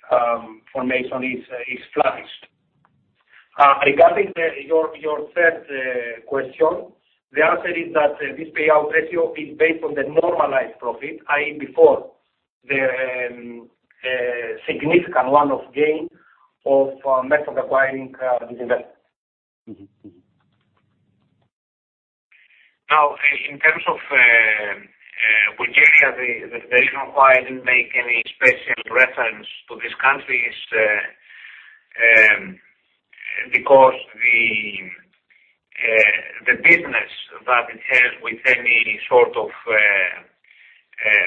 flow formation is flat-ish. Regarding your third question, the answer is that this payout ratio is based on the normalized profit, i.e., before the significant one-off gain of merchant acquiring this investment. Now, in terms of Bulgaria, the reason why I didn't make any special reference to this country is because the business that it has with any sort of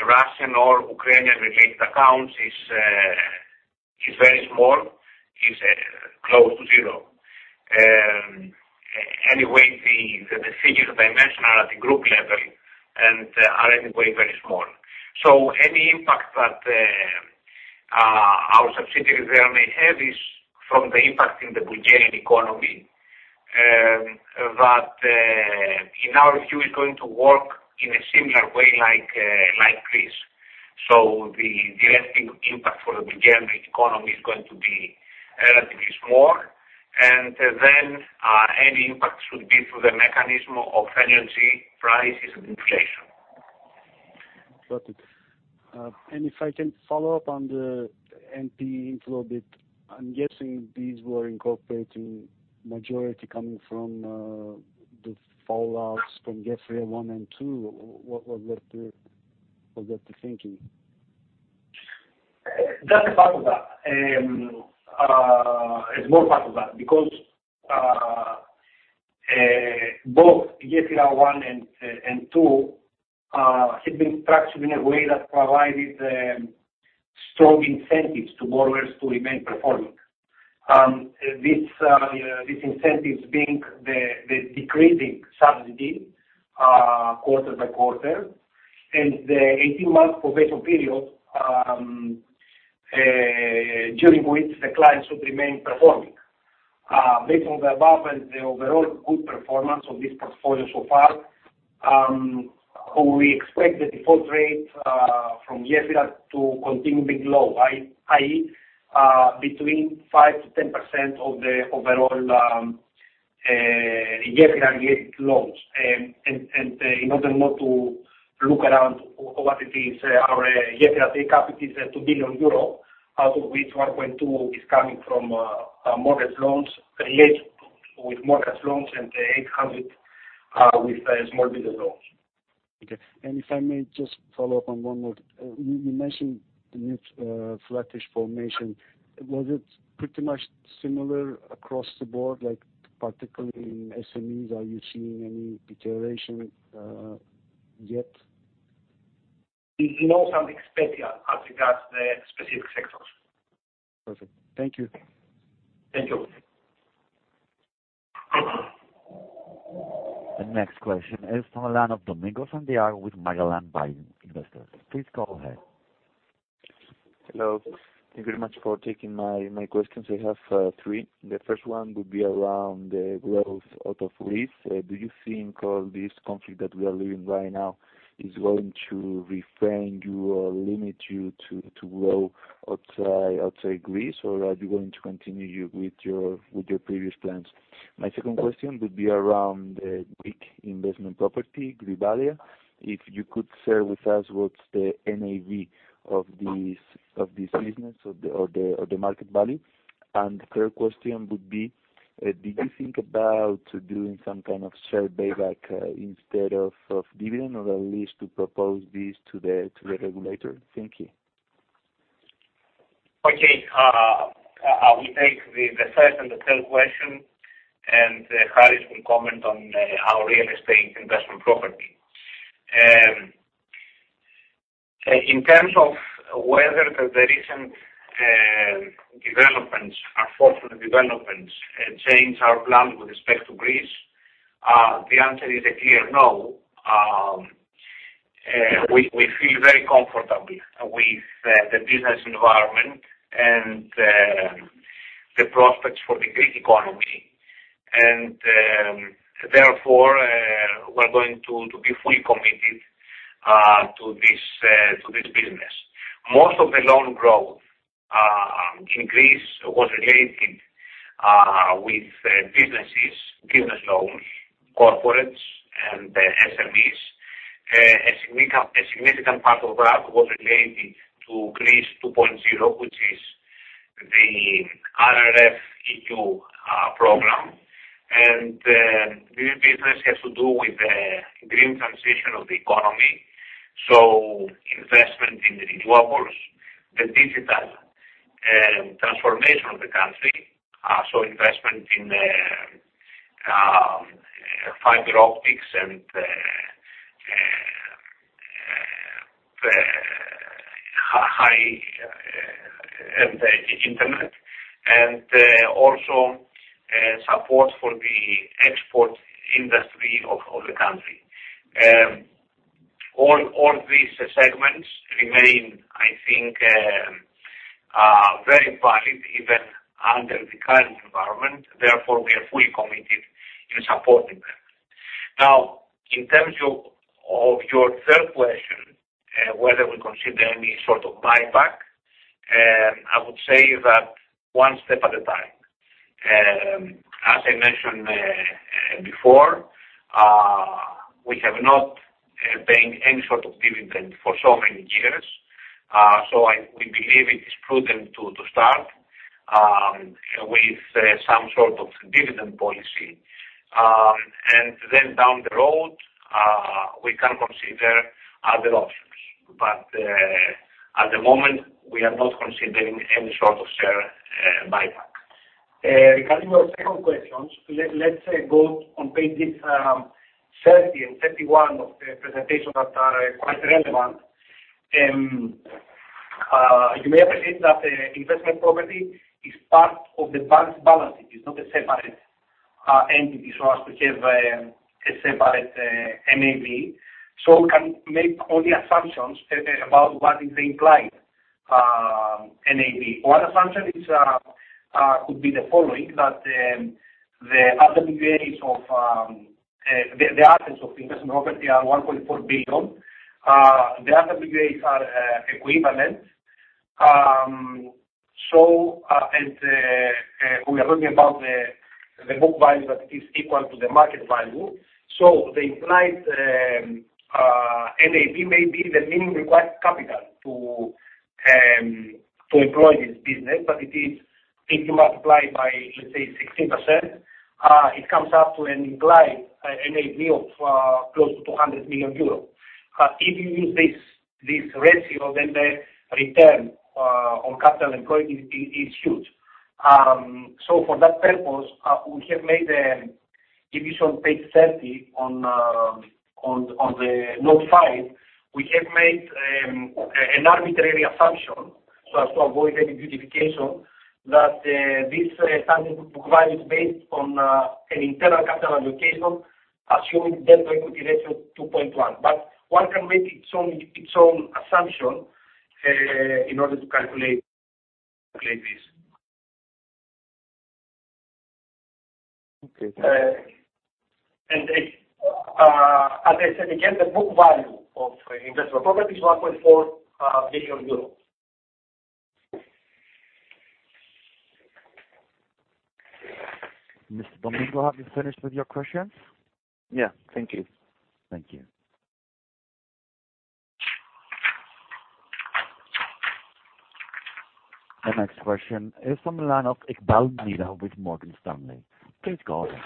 Russian or Ukrainian related accounts is very small, close to zero. Anyway, the figures I mentioned are at the group level and are anyway very small. So any impact that our subsidiaries there may have is from the impact in the Bulgarian economy that in our view is going to work in a similar way like Greece. So the lasting impact for the Bulgarian economy is going to be relatively small. Then any impact should be through the mechanism of energy prices and inflation. Got it. If I can follow up on the NPE intro a bit, I'm guessing these were incorporating majority coming from the fallouts from GEFYRA 1 and 2. Was that the thinking? That's a part of that. It's more part of that because both GEFYRA one and two have been structured in a way that provided strong incentives to borrowers to remain performing. This incentives being the decreasing subsidy quarter by quarter. The 18-month probation period during which the clients should remain performing. Based on the above and the overall good performance of this portfolio so far, we expect the default rate from GEFYRA to continue being low, i.e., between 5%-10% of the overall GEFYRA loans. In order not to look around what it is, our GEFYRA take-up is 2 billion euro, out of which 1.2 billion is coming from mortgage loans and 800 million from small business loans. Okay. If I may just follow up on one more. You mentioned the net, flattish formation. Was it pretty much similar across the board? Like particularly in SMEs, are you seeing any deterioration, yet? No, some expect as regards the specific sectors. Perfect. Thank you. Thank you. The next question is from Alan Dominguez, and they are with Magellan Buying Investors. Please go ahead. Hello. Thank you very much for taking my questions. I have three. The first one would be around the growth out of Greece. Do you think all this conflict that we are living right now is going to refrain you or limit you to grow outside Greece, or are you going to continue with your previous plans? My second question would be around the Greek investment property, Grivalia. If you could share with us what's the NAV of this business or the market value? Third question would be, did you think about doing some kind of share buyback instead of dividend or at least to propose this to the regulator? Thank you. I will take the first and the third question, and Charis will comment on our real estate investment property. In terms of whether the recent unfortunate developments change our plan with respect to Greece, the answer is a clear no. We feel very comfortable with the business environment and the prospects for the Greek economy. Therefore, we're going to be fully committed to this business. Most of the loan growth in Greece was related with businesses, business loans, corporates and SMEs. A significant part of that was related to Greece 2.0, which is the RRF EU program. This business has to do with the green transition of the economy, so investment in renewables, the digital transformation of the country, so investment in fiber optics and the internet, and also support for the export industry of the country. All these segments remain, I think, very valid even under the current environment. Therefore, we are fully committed in supporting them. Now, in terms of your third question, whether we consider any sort of buyback, I would say that one step at a time. As I mentioned before, we have not paid any sort of dividend for so many years. So we believe it is prudent to start with some sort of dividend policy. Down the road, we can consider other options. At the moment, we are not considering any sort of share buyback. Regarding your second question, let's go on pages 30 and 31 of the presentation that are quite relevant. You may appreciate that investment property is part of the bank's balance sheet. It's not a separate entity so as to have a separate NAV. We can make only assumptions about what is the implied NAV. One assumption could be the following, that the RWAs of the assets of investment property are 1.4 billion. The RWAs are equivalent. We are talking about the book value that is equal to the market value. The implied NAV may be the minimum required capital to employ this business. But it is if you multiply by, let's say 16%, it comes up to an implied NAV yield for close to 100 million euros. If you use this ratio, then the return on capital employed is huge. For that purpose, we have made, if you saw page 30 on the note 5. We have made an arbitrary assumption so as to avoid any beautification that this standard book value is based on an internal capital allocation assuming delta equity ratio 2.1. But one can make its own assumption in order to calculate this. Okay. As I said again, the book value of investment properties 1.4 billion euros. Mr. Dominguez, have you finished with your questions? Yeah. Thank you. Thank you. The next question is from the line of Iqbal Mirza with Morgan Stanley. Please go ahead.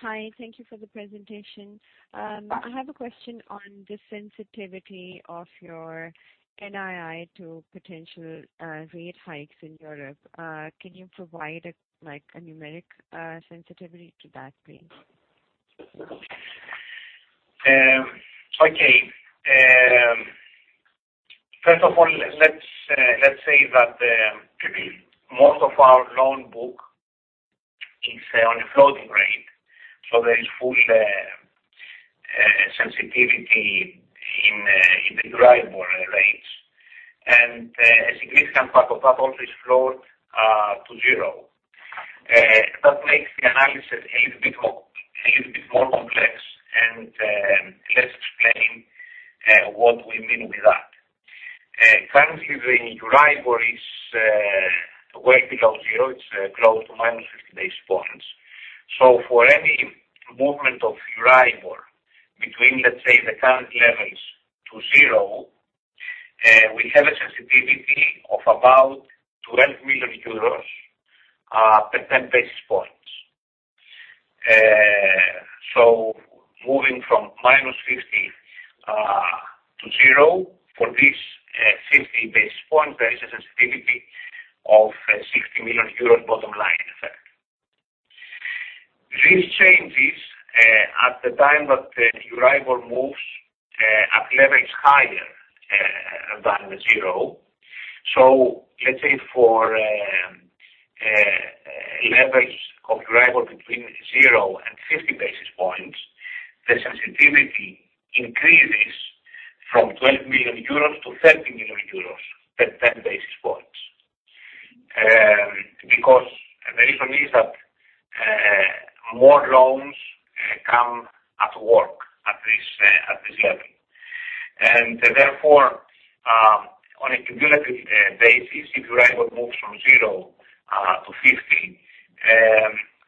Hi. Thank you for the presentation. I have a question on the sensitivity of your NII to potential rate hikes in Europe. Can you provide, like, a numeric sensitivity to that please? Okay. First of all, let's say that most of our loan book is on a floating rate, so there is full sensitivity in the Euribor rates and a significant part of that also is floored to zero. That makes the analysis a little bit more complex. Let's explain what we mean with that. Currently the Euribor is way below zero. It's close to -50 basis points. For any movement of Euribor between, let's say, the current levels to zero, we have a sensitivity of about 12 million euros per 10 basis points. Moving from -50 to zero for this 50 basis points, there is a sensitivity of 60 million euros bottom line effect. These changes at the time that Euribor moves at levels higher than 0. Let's say for levels of Euribor between 0 and 50 basis points, the sensitivity increases from 12 million euros to 13 million euros per 10 basis points. Because the reason is that more loans come at work at this level. Therefore on a cumulative basis, if Euribor moves from 0 to 50,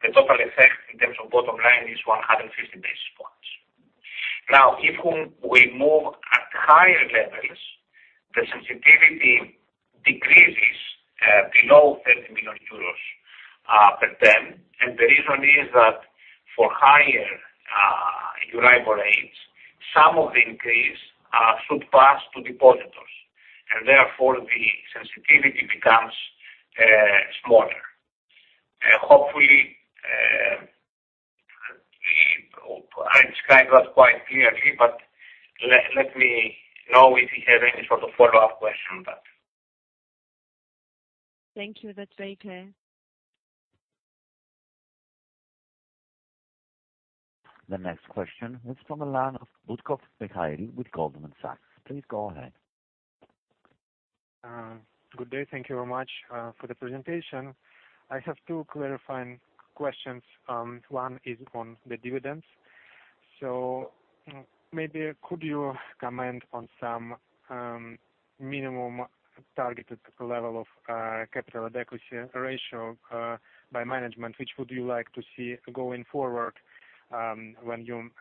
the total effect in terms of bottom line is 150 basis points. Now if we move at higher levels, the sensitivity decreases below 30 million euros per 10. The reason is that for higher Euribor rates, some of the increase should pass to depositors, and therefore the sensitivity becomes smaller. Hopefully, I described that quite clearly, but let me know if you have any sort of follow-up question about it. Thank you. That's very clear. The next question is from the line of Gabor Kemeny with Goldman Sachs. Please go ahead. Good day. Thank you very much for the presentation. I have two clarifying questions. One is on the dividends. Maybe could you comment on some minimum targeted level of capital adequacy ratio by management, which would you like to see going forward, when you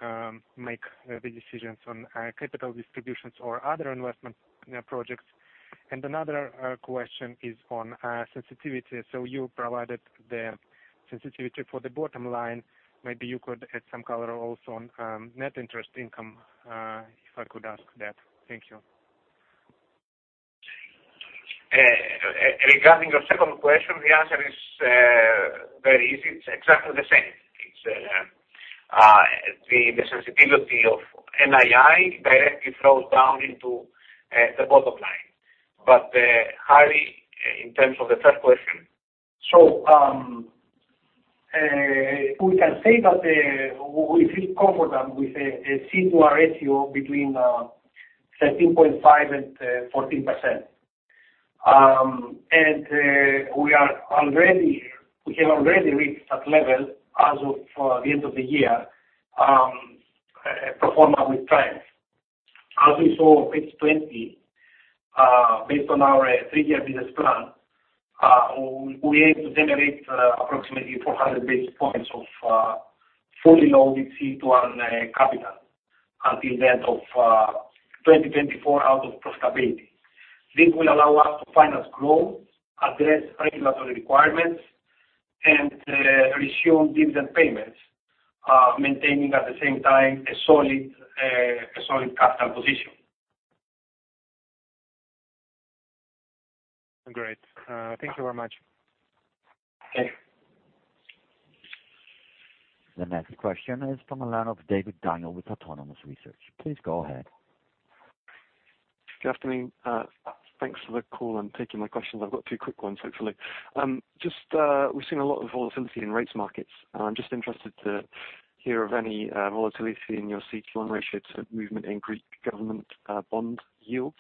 make the decisions on capital distributions or other investment projects? Another question is on sensitivity. You provided the sensitivity for the bottom line. Maybe you could add some color also on net interest income, if I could ask that. Thank you. Regarding your second question, the answer is very easy. It's exactly the same. It's the sensitivity of NII directly flows down into the bottom line. Harry, in terms of the first question. We can say that we feel confident with a CET1 ratio between 13.5%-14%. We have already reached that level as of the end of the year. As we saw page 20, based on our three-year business plan, we're able to generate approximately 400 basis points of fully loaded CET1 to our capital at the end of 2024 out of profitability. This will allow us to finance growth, address regulatory requirements, and resume dividend payments, maintaining at the same time a solid capital position. Great. Thank you very much. Okay. The next question is from the line of David Daniel with Autonomous Research. Please go ahead. Good afternoon. Thanks for the call and taking my questions. I've got two quick ones, hopefully. Just, we've seen a lot of volatility in rates markets. I'm just interested to hear of any volatility in your CET1 ratio to movement in Greek government bond yields.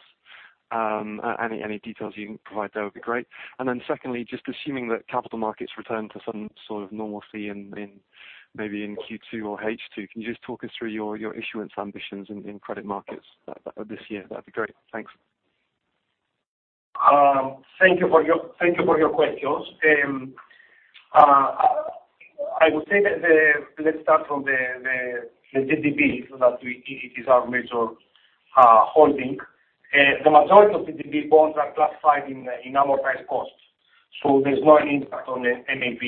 Any details you can provide there would be great. Secondly, just assuming that capital markets return to some sort of normalcy in maybe in Q2 or H2, can you just talk us through your issuance ambitions in credit markets this year? That'd be great. Thanks. Thank you for your questions. Let's start from the GGB. It is our major holding. The majority of GGB bonds are classified in amortized costs, so there's no impact on the NIM.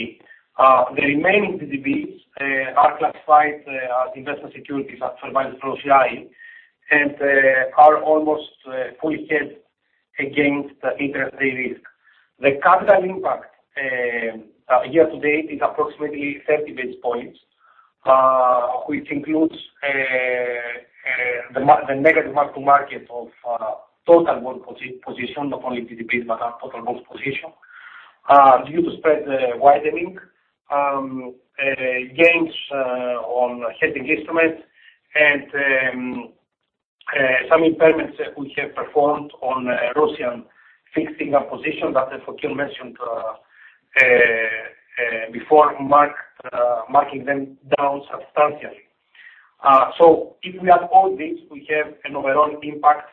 The remaining GGB are classified as investment securities as provided through OCI, and they are almost fully hedged against the interest rate risk. The capital impact year-to-date is approximately 30 basis points, which includes the negative mark to market of total bond position, not only GGB but our total bonds position, due to spread widening, gains on hedging estimate and some impairments that we have performed on Russian FX in our position that Efthymios mentioned before marking them down substantially. If we add all this, we have an overall impact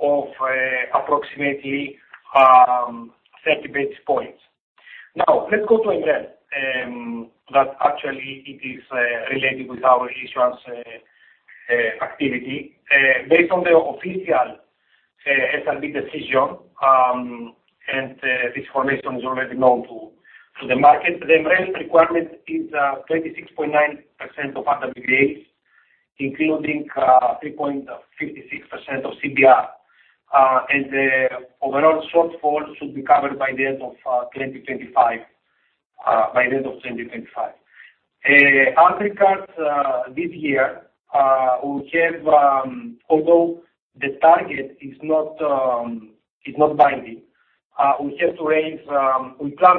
of approximately 30 basis points. Now, let's go to MREL that actually it is related with our issuance activity. Based on the official SRB decision, and this information is already known to the market. The MREL requirement is 26.9% of RWAs, including 3.56% of CBR. The overall shortfall should be covered by the end of 2025. As regards this year, although the target is not binding, we plan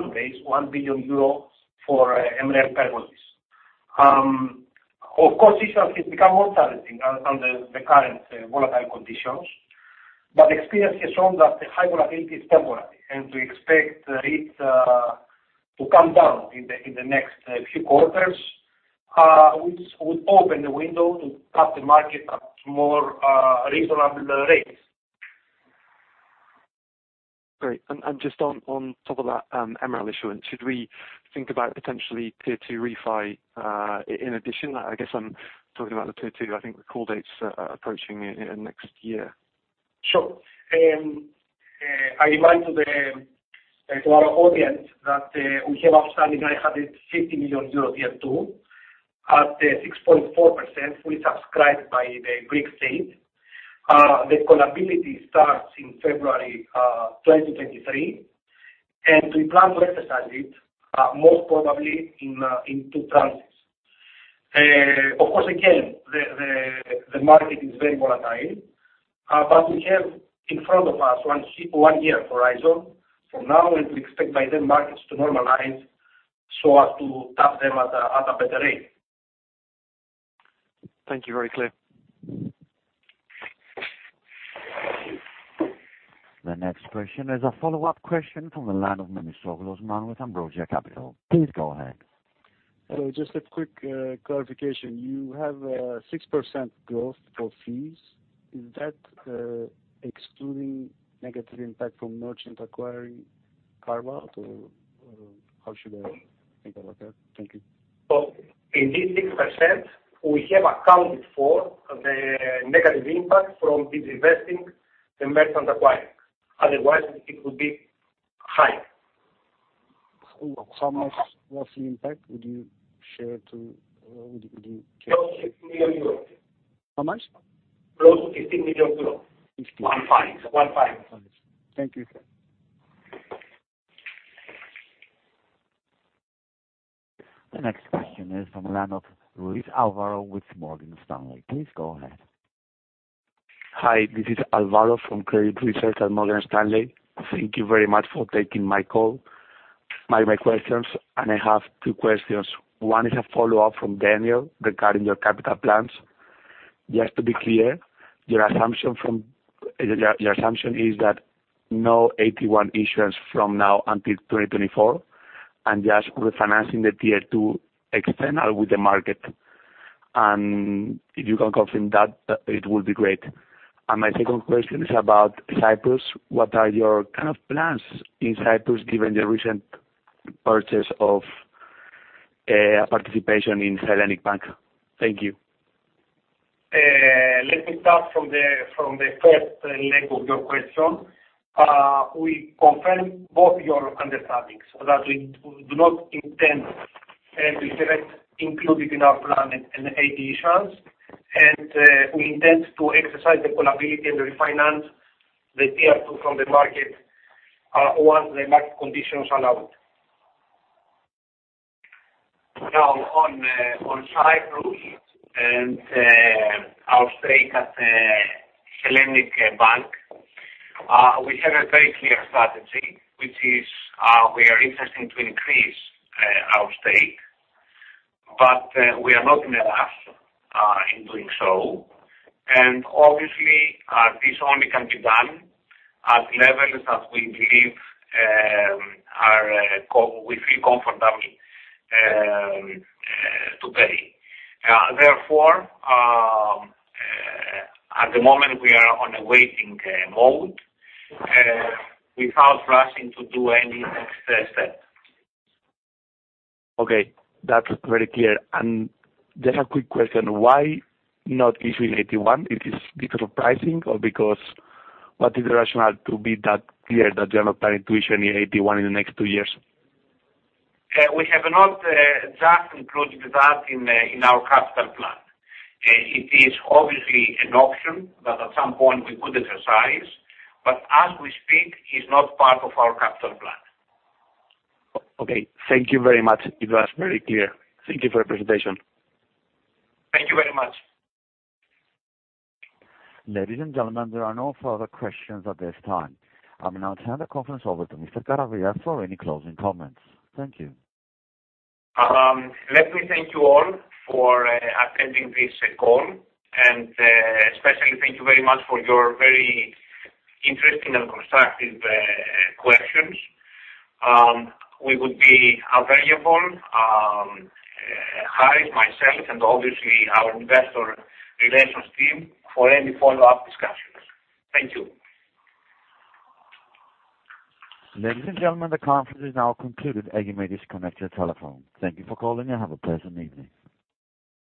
to raise 1 billion euro for MREL purposes. Of course, issuance has become more challenging under the current volatile conditions, but experience has shown that the high volatility is temporary, and we expect rates to come down in the next few quarters, which would open the window to tap the market at more reasonable rates. Great. Just on top of that, MREL issuance, should we think about potentially Tier 2 refi in addition? I guess I'm talking about the Tier 2. I think the call dates are approaching in next year. Sure. I remind to our audience that we have outstanding 950 million euros Tier 2 at 6.4%, fully subscribed by the Greek state. The callability starts in February 2023, and we plan to exercise it most probably in two tranches. Of course, again, the market is very volatile, but we have in front of us one-year horizon from now, and we expect by then markets to normalize so as to tap them at a better rate. Thank you. Very clear. The next question is a follow-up question from the line of Osman Memisoglu with Ambrosia Capital. Please go ahead. Just a quick clarification. You have 6% growth for fees. Is that excluding negative impact from merchant acquiring carve out, or how should I think about that? Thank you. In this 6%, we have accounted for the negative impact from divesting the merchant acquiring. Otherwise, it would be higher. How much roughly impact would you share to? Close to 15 million euro. How much? Close to 15 million euro. Fifteen. 15. 15. Thank you. The next question is from the line of Luis Garrido with Morgan Stanley. Please go ahead. Hi, this is Luis Garrido from Credit Research at Morgan Stanley. Thank you very much for taking my call. My questions, and I have two questions. One is a follow-up from Daniel regarding your capital plans. Just to be clear, your assumption is that no AT1 issuance from now until 2024, and just refinancing the Tier 2 external with the market. If you can confirm that, it would be great. My second question is about Cyprus. What are your kind of plans in Cyprus given the recent purchase of participation in Hellenic Bank? Thank you. Let me start from the first leg of your question. We confirm both your understandings, that we do not intend, and we haven't included in our plan an AT1 issuance. We intend to exercise the callability and refinance the Tier 2 from the market, once the market conditions allow it. Now, on Cyprus and our stake in Hellenic Bank, we have a very clear strategy, which is, we are interested in increasing our stake, but we are not in a rush in doing so. Obviously, this only can be done at levels as we believe are levels we feel comfortable to pay. Therefore, at the moment we are in a waiting mode, without rushing to do any next step. Okay, that's very clear. Just a quick question. Why not issue AT1? Is it because of pricing or because? What is the rationale to be that clear that you are not planning to issue any AT1 in the next two years? We have not just included that in our capital plan. It is obviously an option that at some point we could exercise, but as we speak, it's not part of our capital plan. Okay. Thank you very much. It was very clear. Thank you for your presentation. Thank you very much. Ladies and gentlemen, there are no further questions at this time. I will now turn the conference over to Mr. Karavias for any closing comments. Thank you. Let me thank you all for attending this call, and especially thank you very much for your very interesting and constructive questions. We would be available, Harris, myself, and obviously our investor relations team, for any follow-up discussions. Thank you. Ladies and gentlemen, the conference is now concluded. You may disconnect your telephone. Thank you for calling, and have a pleasant evening.